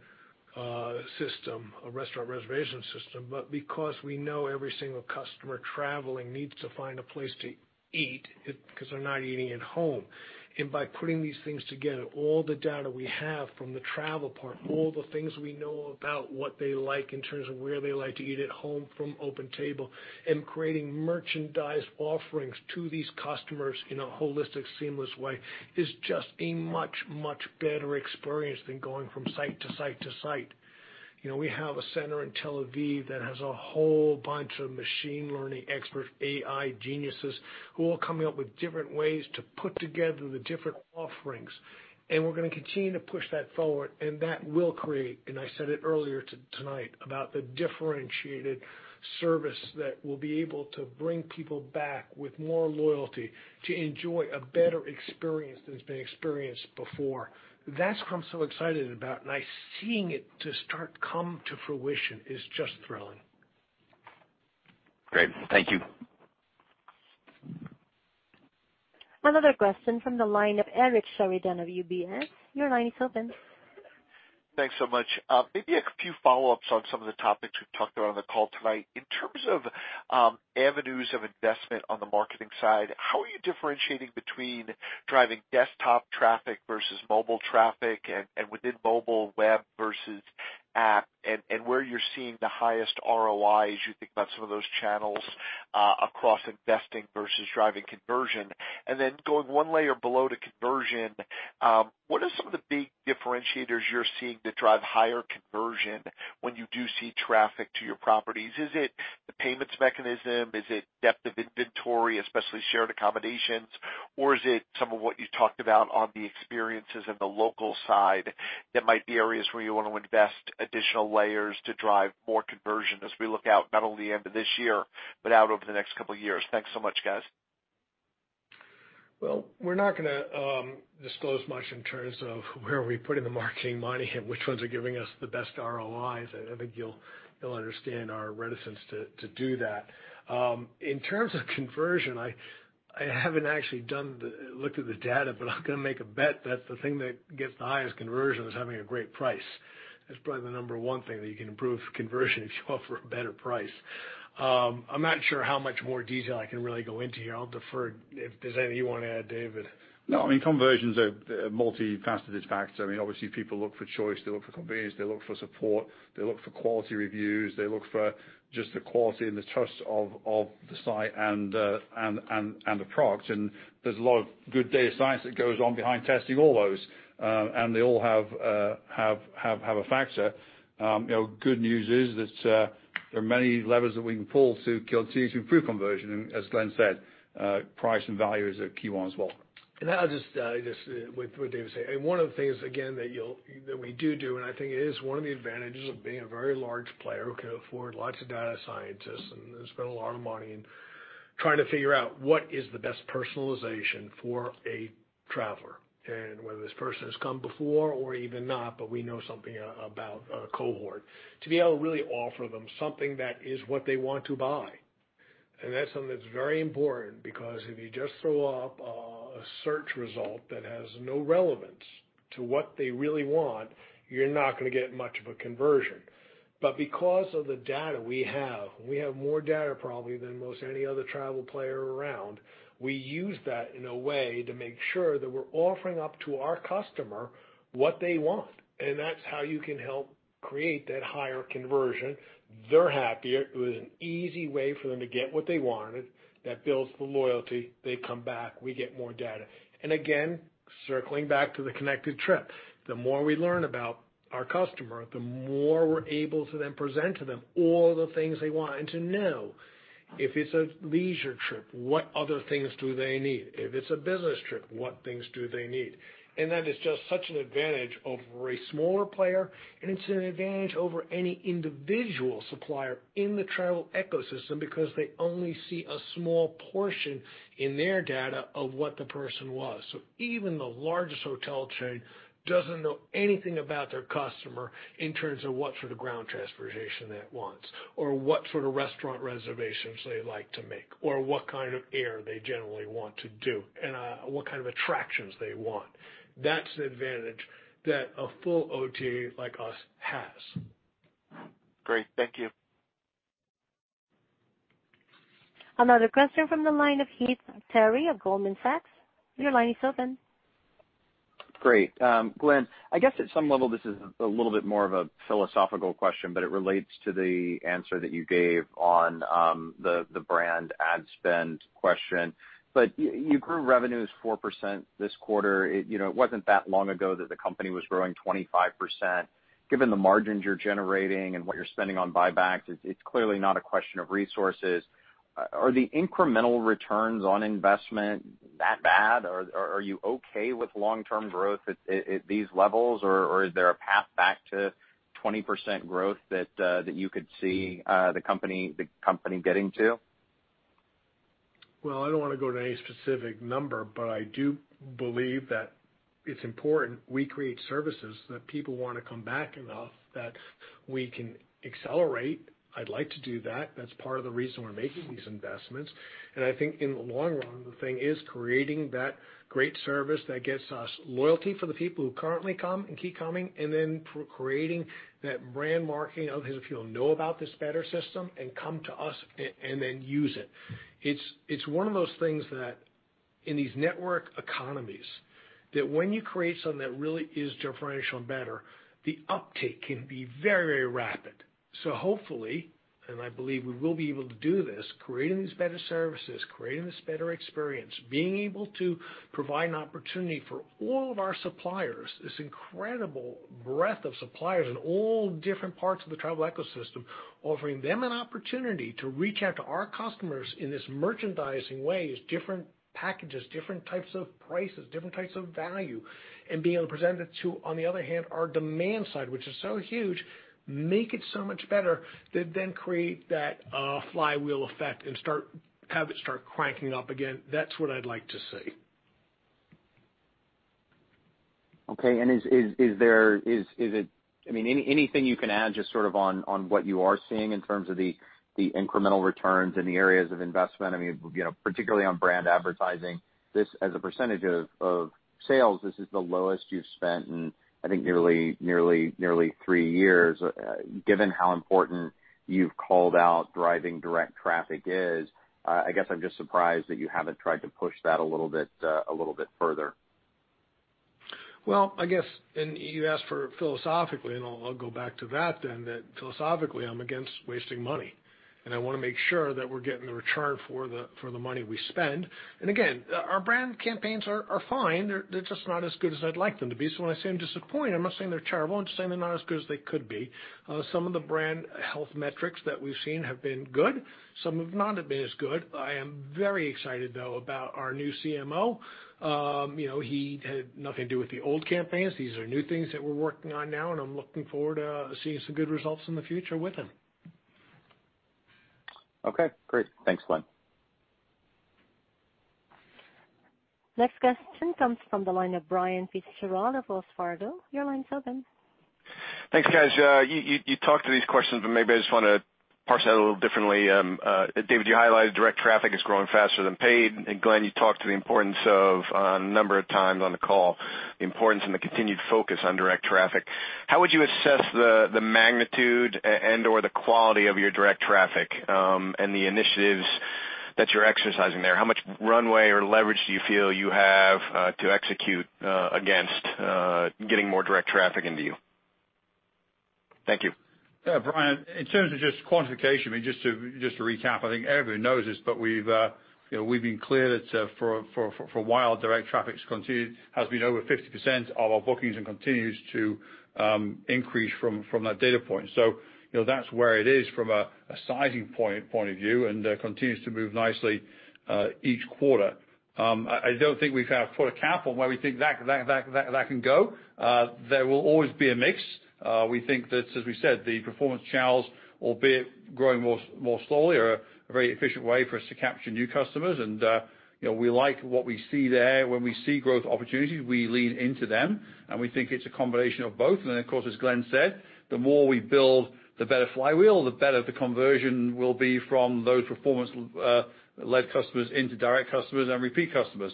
system, but because we know every single customer traveling needs to find a place to eat because they're not eating at home. By putting these things together, all the data we have from the travel part, all the things we know about what they like in terms of where they like to eat at home, from OpenTable, and creating merchandise offerings to these customers in a holistic, seamless way is just a much, much better experience than going from site to site to site. We have a center in Tel Aviv that has a whole bunch of machine learning experts, AI geniuses, who are all coming up with different ways to put together the different offerings. We're gonna continue to push that forward, and that will create, and I said it earlier tonight about the differentiated service that will be able to bring people back with more loyalty to enjoy a better experience than has been experienced before. That's what I'm so excited about, and I seeing it to start come to fruition is just thrilling. Great. Thank you. Another question from the line of Eric Sheridan of UBS. Your line is open. Thanks so much. Maybe a few follow-ups on some of the topics we've talked about on the call tonight. In terms of avenues of investment on the marketing side, how are you differentiating between driving desktop traffic versus mobile traffic, and within mobile, web versus app, and where you're seeing the highest ROIs as you think about some of those channels, across investing versus driving conversion? Going one layer below to conversion, what are some of the big differentiators you're seeing that drive higher conversion when you do see traffic to your properties? Is it the payments mechanism? Is it depth of inventory, especially shared accommodations? Is it some of what you talked about on the experiences and the local side that might be areas where you want to invest additional layers to drive more conversion as we look out not only the end of this year, but out over the next couple of years? Thanks so much, guys. Well, we're not gonna disclose much in terms of where we put in the marketing money and which ones are giving us the best ROIs. I think you'll understand our reticence to do that. In terms of conversion, I haven't actually looked at the data, but I'm gonna make a bet that the thing that gets the highest conversion is having a great price. That's probably the number one thing that you can improve conversion if you offer a better price. I'm not sure how much more detail I can really go into here. I'll defer if there's anything you want to add, David. No, conversions are multifaceted factors. Obviously, people look for choice, they look for convenience, they look for support, they look for quality reviews, they look for just the quality and the trust of the site and the product. There's a lot of good data science that goes on behind testing all those. They all have a factor. Good news is that there are many levers that we can pull to continue to improve conversion, and as Glenn said, price and value is a key one as well. I'll just with what David said, one of the things, again, that we do, and I think it is one of the advantages of being a very large player who can afford lots of data scientists and spend a lot of money in trying to figure out what is the best personalization for a traveler. Whether this person has come before or even not, but we know something about a cohort. To be able to really offer them something that is what they want to buy. That's something that's very important because if you just throw up a search result that has no relevance to what they really want, you're not going to get much of a conversion. Because of the data we have, we have more data probably than most any other travel player around, we use that in a way to make sure that we're offering up to our customer what they want. That's how you can help create that higher conversion. They're happier. It was an easy way for them to get what they wanted. That builds the loyalty. They come back, we get more data. Again, circling back to the connected trip, the more we learn about our customer, the more we're able to then present to them all the things they want and to know if it's a leisure trip, what other things do they need? If it's a business trip, what things do they need? That is just such an advantage over a smaller player, and it's an advantage over any individual supplier in the travel ecosystem because they only see a small portion in their data of what the person was. Even the largest hotel chain doesn't know anything about their customer in terms of what sort of ground transportation they want, or what sort of restaurant reservations they like to make, or what kind of air they generally want to do, and what kind of attractions they want. That's an advantage that a full OTA like us has. Great. Thank you. Another question from the line of Heath Terry of Goldman Sachs. Your line is open. Great. Glenn, I guess at some level, this is a little bit more of a philosophical question, it relates to the answer that you gave on the brand ad spend question. You grew revenues 4% this quarter. It wasn't that long ago that the company was growing 25%. Given the margins you're generating and what you're spending on buybacks, it's clearly not a question of resources. Are the incremental returns on investment that bad? Are you okay with long-term growth at these levels? Is there a path back to 20% growth that you could see the company getting to? Well, I don't want to go to any specific number, but I do believe that it's important we create services that people want to come back enough that we can accelerate. I'd like to do that. That's part of the reason we're making these investments. I think in the long run, the thing is creating that great service that gets us loyalty from the people who currently come and keep coming, and then creating that brand marketing of, hey, if you'll know about this better system and come to us and then use it. It's one of those things that in these network economies, that when you create something that really is differential and better, the uptake can be very rapid. Hopefully, and I believe we will be able to do this, creating these better services, creating this better experience, being able to provide an opportunity for all of our suppliers, this incredible breadth of suppliers in all different parts of the travel ecosystem. Offering them an opportunity to reach out to our customers in this merchandising way, as different packages, different types of prices, different types of value, and being able to present it to, on the other hand, our demand side, which is so huge, make it so much better that then create that flywheel effect and have it start cranking up again. That's what I'd like to see. Anything you can add just sort of on what you are seeing in terms of the incremental returns in the areas of investment? Particularly on brand advertising, as a percentage of sales, this is the lowest you've spent in, I think nearly three years. Given how important you've called out driving direct traffic is, I guess I'm just surprised that you haven't tried to push that a little bit further. Well, I guess, you asked for philosophically, I'll go back to that then, that philosophically, I'm against wasting money, and I want to make sure that we're getting the return for the money we spend. Again, our brand campaigns are fine. They're just not as good as I'd like them to be. When I say I'm disappointed, I'm not saying they're terrible. I'm just saying they're not as good as they could be. Some of the brand health metrics that we've seen have been good, some have not been as good. I am very excited, though, about our new CMO. He had nothing to do with the old campaigns. These are new things that we're working on now, and I'm looking forward to seeing some good results in the future with him. Okay, great. Thanks, Glenn. Next question comes from the line of Brian Fitzgerald of Wells Fargo. Your line is open. Thanks, guys. You talked to these questions, maybe I just want to parse that a little differently. David, you highlighted direct traffic is growing faster than paid. Glenn, you talked to the importance of, a number of times on the call, the importance and the continued focus on direct traffic. How would you assess the magnitude and/or the quality of your direct traffic, and the initiatives that you're exercising there? How much runway or leverage do you feel you have to execute against getting more direct traffic into you? Thank you. Yeah, Brian, in terms of just quantification, just to recap, I think everybody knows this. We've been clear that for a while, direct traffic has been over 50% of our bookings and continues to increase from that data point. That's where it is from a sizing point of view and continues to move nicely each quarter. I don't think we've put a cap on where we think that can go. There will always be a mix. We think that, as we said, the performance channels, albeit growing more slowly, are a very efficient way for us to capture new customers, and we like what we see there. When we see growth opportunities, we lean into them, and we think it's a combination of both. Of course, as Glenn said, the more we build the better flywheel, the better the conversion will be from those performance-led customers into direct customers and repeat customers.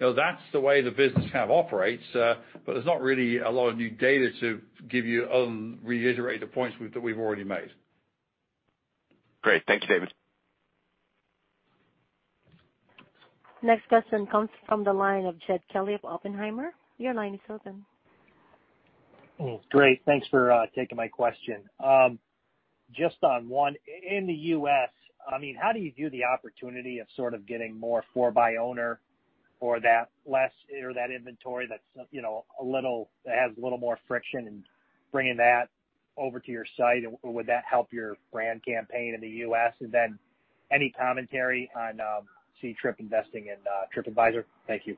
That's the way the business kind of operates. There's not really a lot of new data to give you other than reiterate the points that we've already made. Great. Thank you, David. Next question comes from the line of Jed Kelly of Oppenheimer. Your line is open. Great. Thanks for taking my question. Just on one, in the U.S., how do you view the opportunity of sort of getting more for-by-owner or that inventory that has a little more friction and bringing that over to your site? Would that help your brand campaign in the U.S.? Any commentary on Ctrip investing in TripAdvisor? Thank you.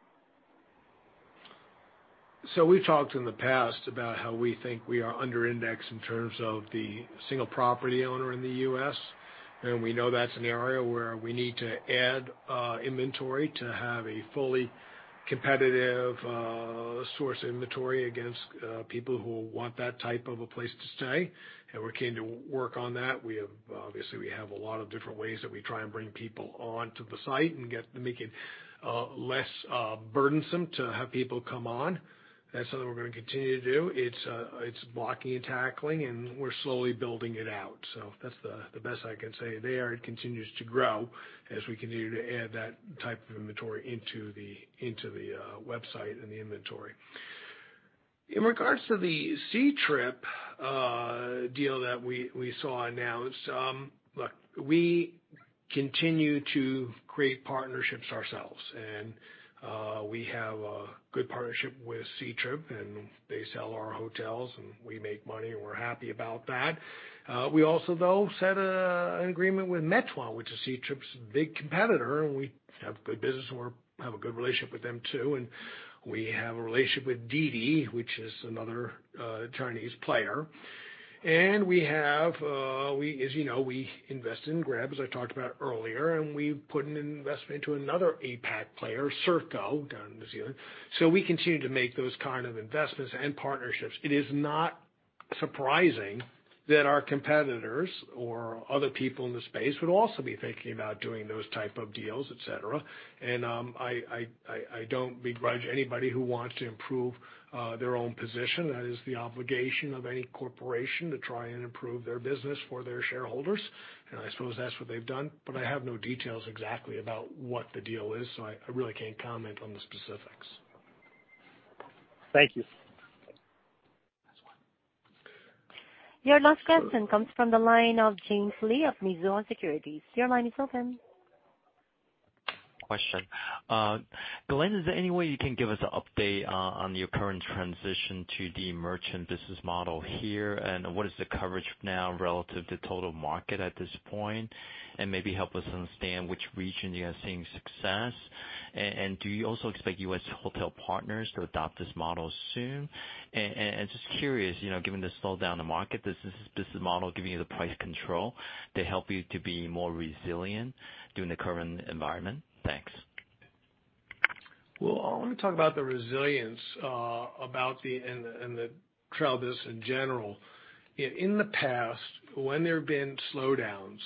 We've talked in the past about how we think we are under-indexed in terms of the single property owner in the U.S., and we know that's an area where we need to add inventory to have a fully competitive source of inventory against people who want that type of a place to stay. We're keen to work on that. Obviously, we have a lot of different ways that we try and bring people onto the site and make it less burdensome to have people come on. That's something we're going to continue to do. It's blocking and tackling, and we're slowly building it out. That's the best I can say there. It continues to grow as we continue to add that type of inventory into the website and the inventory. In regards to the Ctrip deal that we saw announced, look, we continue to create partnerships ourselves. We have a good partnership with Ctrip. They sell our hotels. We make money. We're happy about that. We also, though, set an agreement with Meituan, which is Ctrip's big competitor. We have good business. We have a good relationship with them, too. We have a relationship with DiDi, which is another Chinese player. As you know, we invest in Grab, as I talked about earlier. We put an investment into another APAC player, Serko, down in New Zealand. We continue to make those kind of investments and partnerships. It is not surprising that our competitors or other people in the space would also be thinking about doing those type of deals, et cetera. I don't begrudge anybody who wants to improve their own position. That is the obligation of any corporation, to try and improve their business for their shareholders, and I suppose that's what they've done. I have no details exactly about what the deal is, so I really can't comment on the specifics. Thank you. Last one. Your last question comes from the line of James Lee of Mizuho Securities. Your line is open. Glenn, is there any way you can give us an update on your current transition to the merchant business model here, and what is the coverage now relative to total market at this point? Maybe help us understand which region you are seeing success. Do you also expect U.S. hotel partners to adopt this model soon? Just curious, given the slowdown in the market, does this business model give you the price control to help you to be more resilient during the current environment? Thanks. I want to talk about the resilience and the travel business in general. In the past, when there have been slowdowns,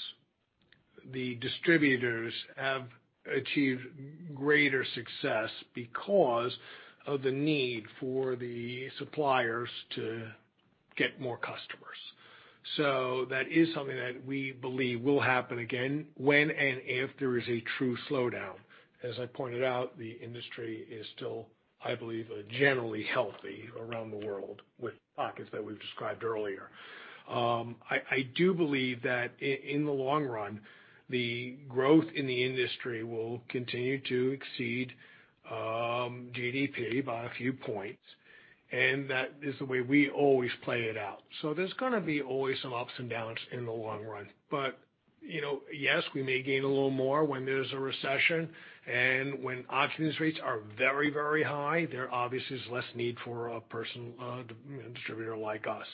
the distributors have achieved greater success because of the need for the suppliers to get more customers. That is something that we believe will happen again when and if there is a true slowdown. As I pointed out, the industry is still, I believe, generally healthy around the world, with pockets that we've described earlier. I do believe that in the long run, the growth in the industry will continue to exceed GDP by a few points, and that is the way we always play it out. There's gonna be always some ups and downs in the long run. Yes, we may gain a little more when there's a recession, and when occupancy rates are very, very high, there obviously is less need for a distributor like us.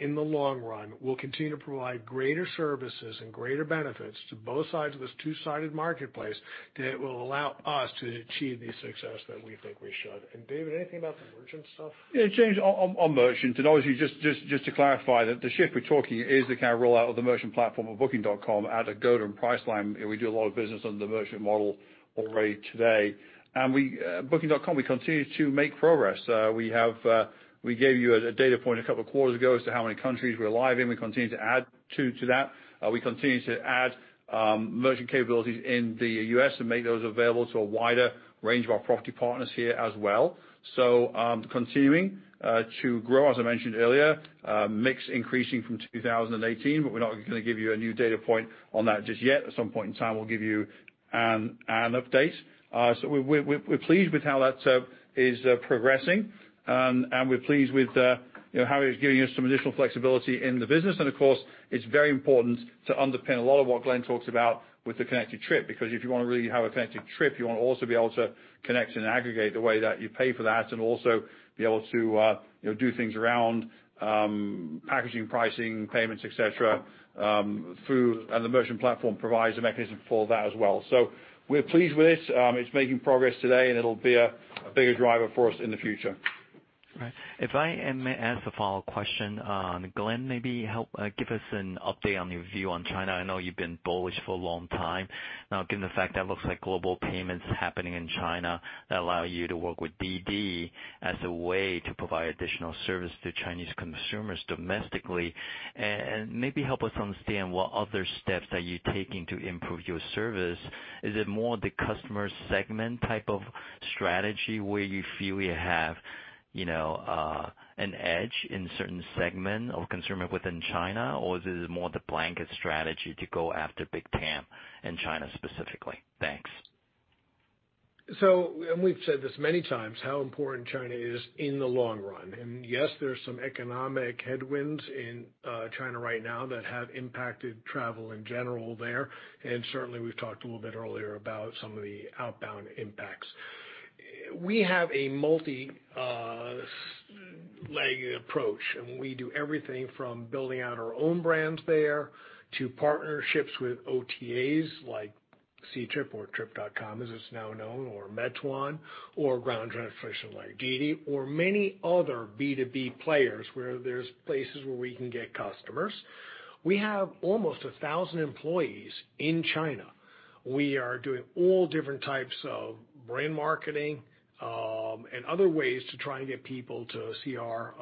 In the long run, we'll continue to provide greater services and greater benefits to both sides of this two-sided marketplace that will allow us to achieve the success that we think we should. David, anything about the merchant stuff? Yeah, James, on merchant, obviously, just to clarify that the shift we're talking is the kind of rollout of the merchant platform of Booking.com at Agoda and Priceline. We do a lot of business on the merchant model already today. Booking.com, we continue to make progress. We gave you a data point a couple of quarters ago as to how many countries we're live in. We continue to add to that. We continue to add merchant capabilities in the U.S. and make those available to a wider range of our property partners here as well. Continuing to grow, as I mentioned earlier, mix increasing from 2018, we're not going to give you a new data point on that just yet. At some point in time, we'll give you an update. We're pleased with how that is progressing, and we're pleased with how it's giving us some additional flexibility in the business. Of course, it's very important to underpin a lot of what Glenn talks about with the connected trip, because if you want to really have a connected trip, you want to also be able to connect and aggregate the way that you pay for that and also be able to do things around packaging, pricing, payments, et cetera, and the merchant platform provides a mechanism for that as well. We're pleased with it. It's making progress today, and it'll be a bigger driver for us in the future. Right. If I may ask a follow-up question, Glenn, maybe help give us an update on your view on China. I know you've been bullish for a long time now, given the fact that it looks like global payments happening in China that allow you to work with DiDi as a way to provide additional service to Chinese consumers domestically. Maybe help us understand what other steps that you're taking to improve your service. Is it more the customer segment type of strategy where you feel you have an edge in certain segment of consumer within China, or is it more the blanket strategy to go after big TAM in China specifically? Thanks. We've said this many times, how important China is in the long run, and yes, there's some economic headwinds in China right now that have impacted travel in general there. Certainly, we've talked a little bit earlier about some of the outbound impacts. We have a multi-leg approach, and we do everything from building out our own brands there to partnerships with OTAs like Ctrip or Trip.com, as it's now known, or Meituan, or ground transportation like DiDi or many other B2B players where there's places where we can get customers. We have almost 1,000 employees in China. We are doing all different types of brand marketing, and other ways to try and get people to see our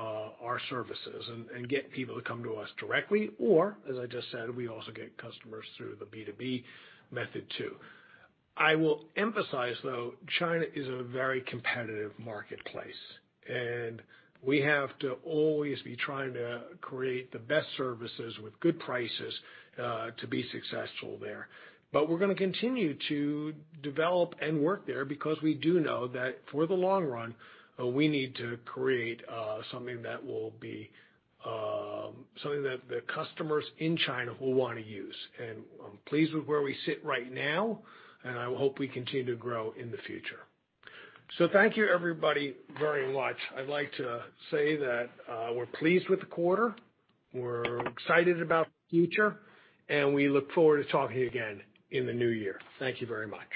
services and get people to come to us directly. As I just said, we also get customers through the B2B method, too. I will emphasize, though, China is a very competitive marketplace, and we have to always be trying to create the best services with good prices, to be successful there. We're going to continue to develop and work there because we do know that for the long run, we need to create something that the customers in China will want to use. I'm pleased with where we sit right now, and I hope we continue to grow in the future. Thank you, everybody, very much. I'd like to say that we're pleased with the quarter, we're excited about the future, and we look forward to talking again in the new year. Thank you very much.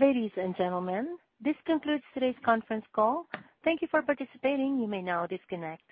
Ladies and gentlemen, this concludes today's conference call. Thank you for participating. You may now disconnect.